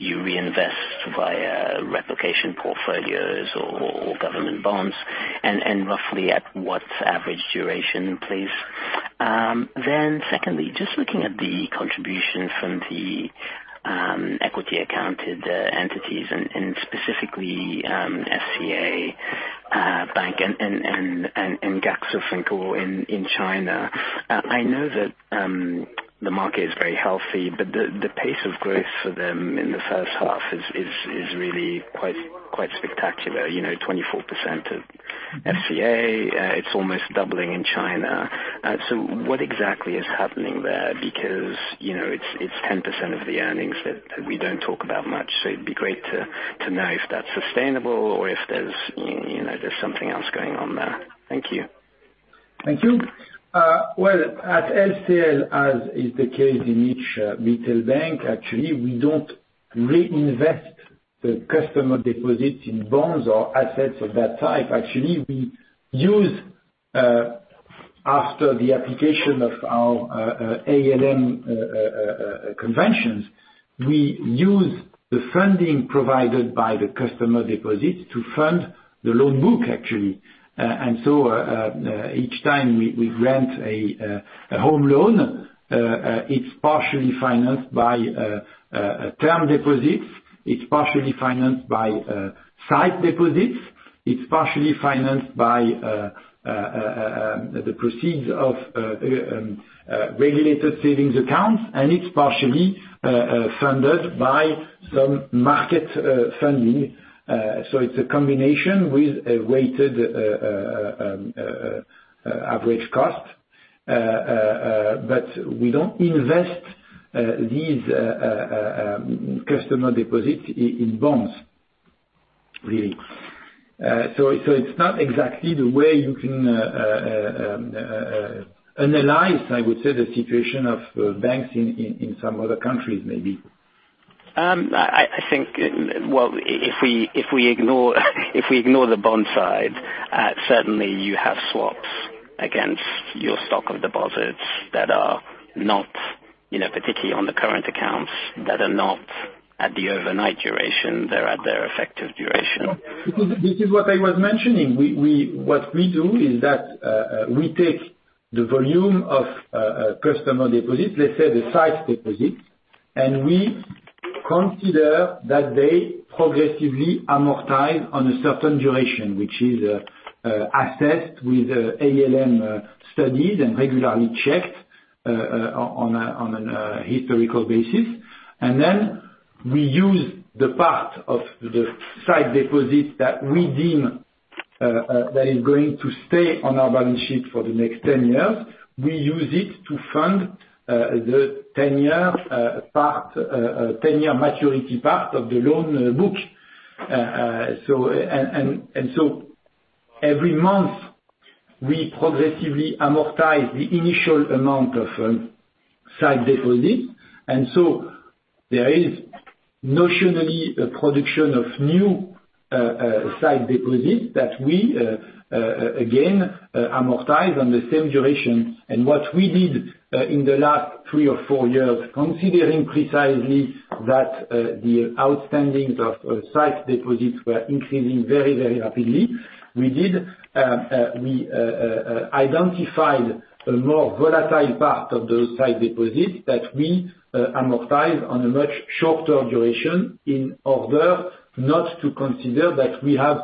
you reinvest via replication portfolios or government bonds, and roughly at what average duration, please. Secondly, just looking at the contribution from the equity accounted entities, and specifically SCA and AXA Tianping in China. I know that the market is very healthy, but the pace of growth for them in the first half is really quite spectacular. 24% of SCA, it's almost doubling in China. What exactly is happening there? It's 10% of the earnings that we don't talk about much. It'd be great to know if that's sustainable or if there's something else going on there. Thank you. Thank you. Well, at LCL, as is the case in each retail bank, actually, we don't reinvest the customer deposits in bonds or assets of that type. After the application of our ALM conventions, we use the funding provided by the customer deposits to fund the loan book, actually. Each time we grant a home loan, it's partially financed by term deposits, it's partially financed by site deposits, it's partially financed by the proceeds of regulated savings accounts, and it's partially funded by some market funding. It's a combination with a weighted average cost. We don't invest these customer deposits in bonds, really. It's not exactly the way you can analyze, I would say, the situation of banks in some other countries, maybe. I think, well, if we ignore the bond side, certainly you have swaps against your stock of deposits that are not, particularly on the current accounts, that are not at the overnight duration, they're at their effective duration. This is what I was mentioning. What we do is that, we take the volume of customer deposits, let's say the sight deposits, we consider that they progressively amortize on a certain duration, which is assessed with ALM studies and regularly checked on a historical basis. Then we use the part of the sight deposit that we deem that is going to stay on our balance sheet for the next 10 years. We use it to fund the 10-year maturity part of the loan book. Every month, we progressively amortize the initial amount of sight deposit. There is notionally a production of new sight deposit that we, again, amortize on the same duration. What we did, in the last three or four years, considering precisely that the outstandings of sight deposits were increasing very rapidly, we identified a more volatile part of those sight deposits that we amortize on a much shorter duration in order not to consider that we have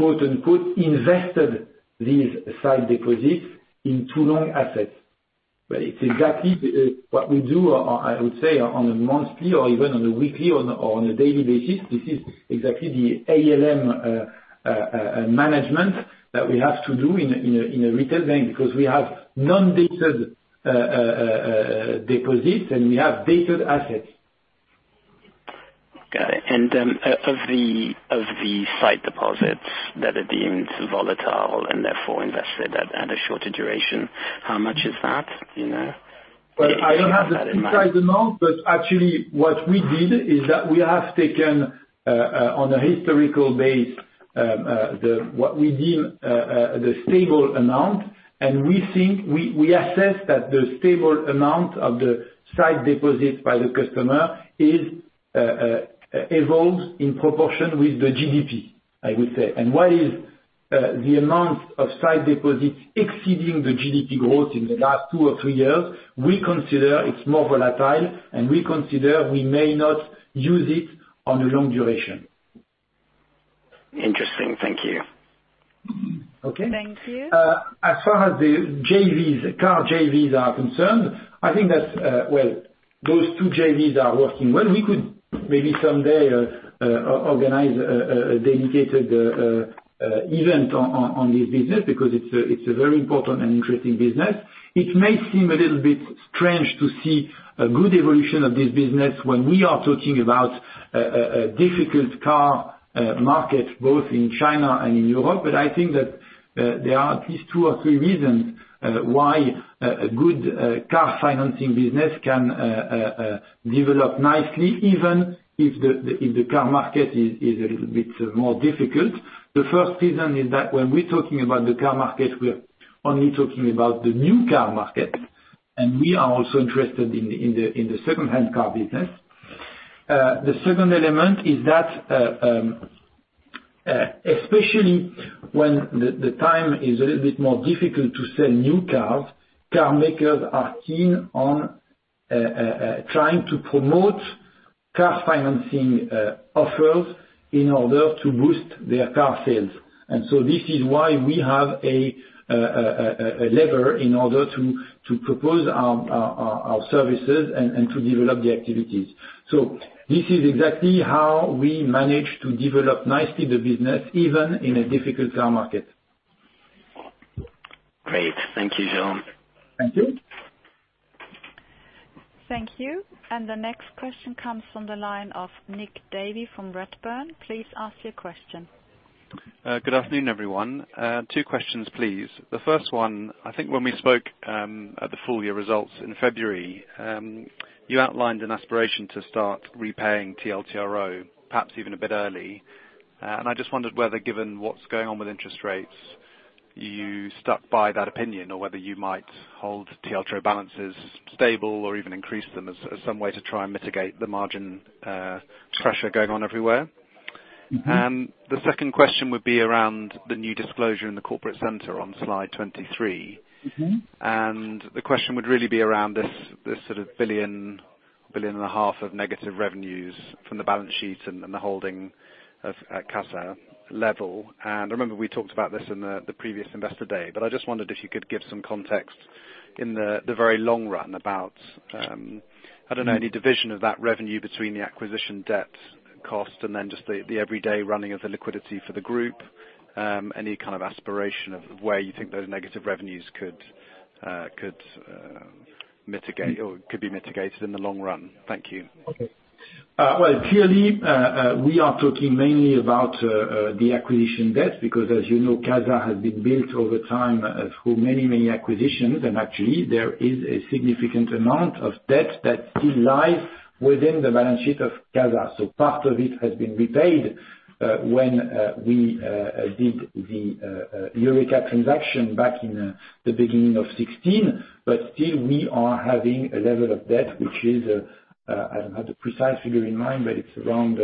"invested" these sight deposits in too long assets. It's exactly what we do, I would say, on a monthly or even on a weekly or on a daily basis. This is exactly the ALM management that we have to do in a retail bank, because we have non-dated deposits, and we have dated assets. Got it. Of the site deposits that are deemed volatile and therefore invested at a shorter duration, how much is that? Well, I don't have the precise amount. Actually what we did is that we have taken, on a historical base, what we deem the stable amount. We assess that the stable amount of the sight deposit by the customer evolves in proportion with the GDP, I would say. What is the amount of sight deposits exceeding the GDP growth in the last two or three years, we consider it's more volatile, and we consider we may not use it on a long duration. Interesting. Thank you. Okay. Thank you. As far as the car JVs are concerned, those two JVs are working well. We could maybe someday organize a dedicated event on this business, because it's a very important and interesting business. It may seem a little bit strange to see a good evolution of this business when we are talking about a difficult car market, both in China and in Europe. I think that there are at least two or three reasons why a good car financing business can develop nicely, even if the car market is a little bit more difficult. The first reason is that when we're talking about the car market, we're only talking about the new car market, and we are also interested in the second-hand car business. The second element is that, especially when the time is a little bit more difficult to sell new cars, car makers are keen on trying to promote car financing offers in order to boost their car sales. This is why we have a lever in order to propose our services and to develop the activities. This is exactly how we manage to develop nicely the business, even in a difficult car market. Great. Thank you, Jean. Thank you. Thank you. The next question comes from the line of Nick Davey from Redburn. Please ask your question. Good afternoon, everyone. Two questions, please. The first one, I think when we spoke at the full year results in February, you outlined an aspiration to start repaying TLTRO, perhaps even a bit early. I just wondered whether, given what's going on with interest rates, you stuck by that opinion, or whether you might hold TLTRO balances stable or even increase them as some way to try and mitigate the margin pressure going on everywhere. The second question would be around the new disclosure in the corporate center on slide 23. The question would really be around this sort of 1 billion, 1.5 billion of negative revenues from the balance sheet and the holding of CASA level. I remember we talked about this in the previous Investor Day, but I just wondered if you could give some context in the very long run about, I don't know, any division of that revenue between the acquisition debt cost and then just the everyday running of the liquidity for the group. Any kind of aspiration of where you think those negative revenues could be mitigated in the long run. Thank you. Okay. Well, clearly, we are talking mainly about the acquisition debt, because as you know, CASA has been built over time through many acquisitions. Actually, there is a significant amount of debt that still lies within the balance sheet of CASA. Part of it has been repaid, when we did the Eureka transaction back in the beginning of 2016. Still, we are having a level of debt, which is, I don't have the precise figure in mind, but it's around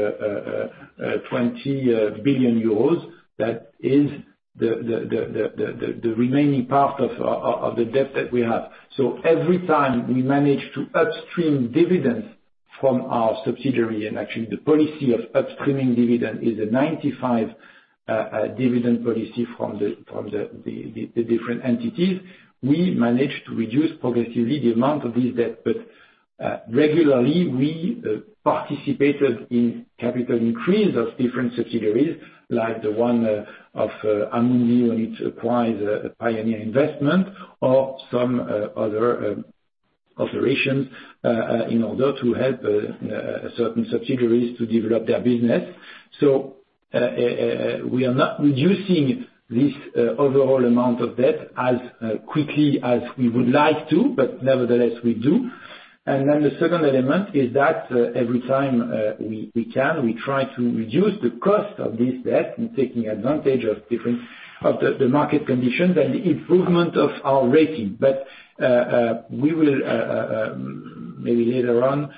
20 billion euros, that is the remaining part of the debt that we have. Every time we manage to upstream dividends from our subsidiary, and actually the policy of upstreaming dividend is a 95% dividend policy from the different entities. We managed to reduce progressively the amount of this debt. Regularly, we participated in capital increase of different subsidiaries, like the one of Amundi when it acquired Pioneer Investments or some other operations, in order to help certain subsidiaries to develop their business. We are not reducing this overall amount of debt as quickly as we would like to. Nevertheless, we do. The second element is that every time we can, we try to reduce the cost of this debt and taking advantage of the market conditions and the improvement of our rating. We will, maybe later on,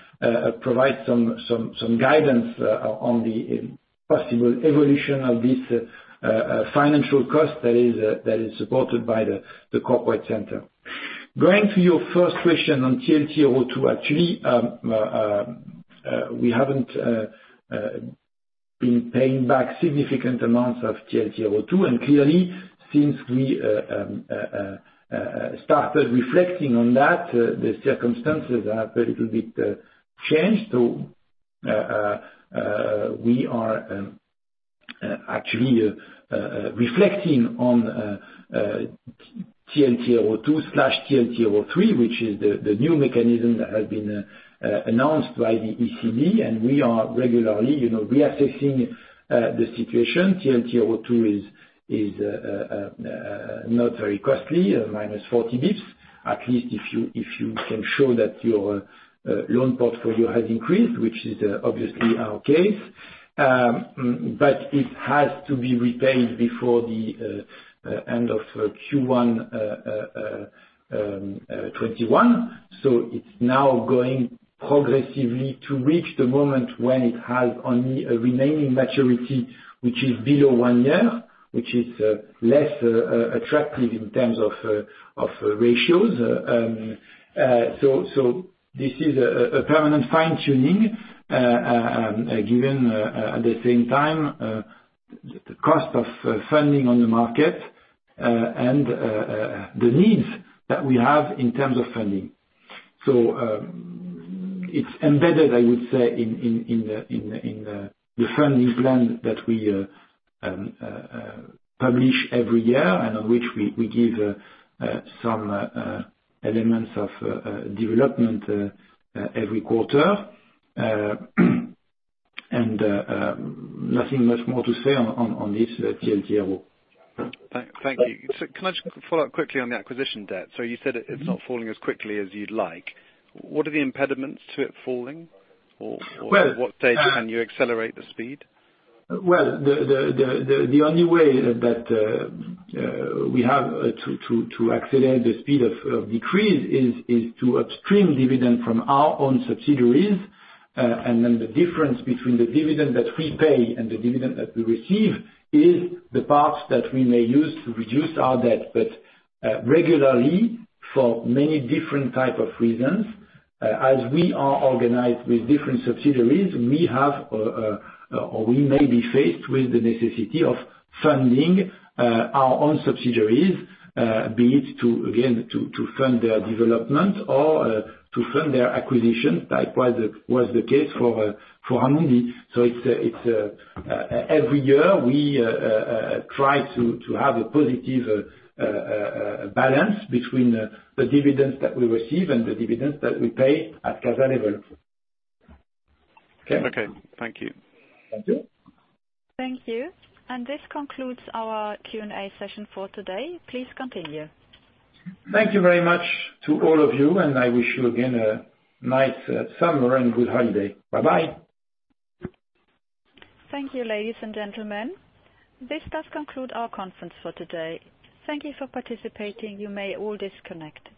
provide some guidance on the possible evolution of this financial cost that is supported by the corporate center. Going to your first question on TLTRO II, actually, we haven't been paying back significant amounts of TLTRO II. Clearly, since we started reflecting on that, the circumstances have a little bit changed. We are actually reflecting on TLTRO II/TLTRO III, which is the new mechanism that has been announced by the ECB. We are regularly reassessing the situation. TLTRO II is not very costly, minus 40 basis points, at least if you can show that your loan portfolio has increased, which is obviously our case. It has to be repaid before the end of Q1 2021. It's now going progressively to reach the moment when it has only a remaining maturity, which is below one year, which is less attractive in terms of ratios. This is a permanent fine-tuning, given at the same time, the cost of funding on the market, and the needs that we have in terms of funding. It's embedded, I would say, in the funding plan that we publish every year and on which we give some elements of development every quarter. Nothing much more to say on this TLTRO. Thank you. Can I just follow up quickly on the acquisition debt? You said it's not falling as quickly as you'd like. What are the impediments to it falling? Or at what stage can you accelerate the speed? Well, the only way that we have to accelerate the speed of decrease is to upstream dividend from our own subsidiaries. The difference between the dividend that we pay and the dividend that we receive is the parts that we may use to reduce our debt. Regularly, for many different type of reasons, as we are organized with different subsidiaries, we may be faced with the necessity of funding our own subsidiaries, be it to, again, to fund their development or to fund their acquisition, that was the case for Amundi. Every year, we try to have a positive balance between the dividends that we receive and the dividends that we pay at CASA level. Okay? Okay. Thank you. Thank you. Thank you. This concludes our Q&A session for today. Please continue. Thank you very much to all of you. I wish you again, a nice summer and good holiday. Bye-bye. Thank you, ladies and gentlemen. This does conclude our conference for today. Thank you for participating. You may all disconnect.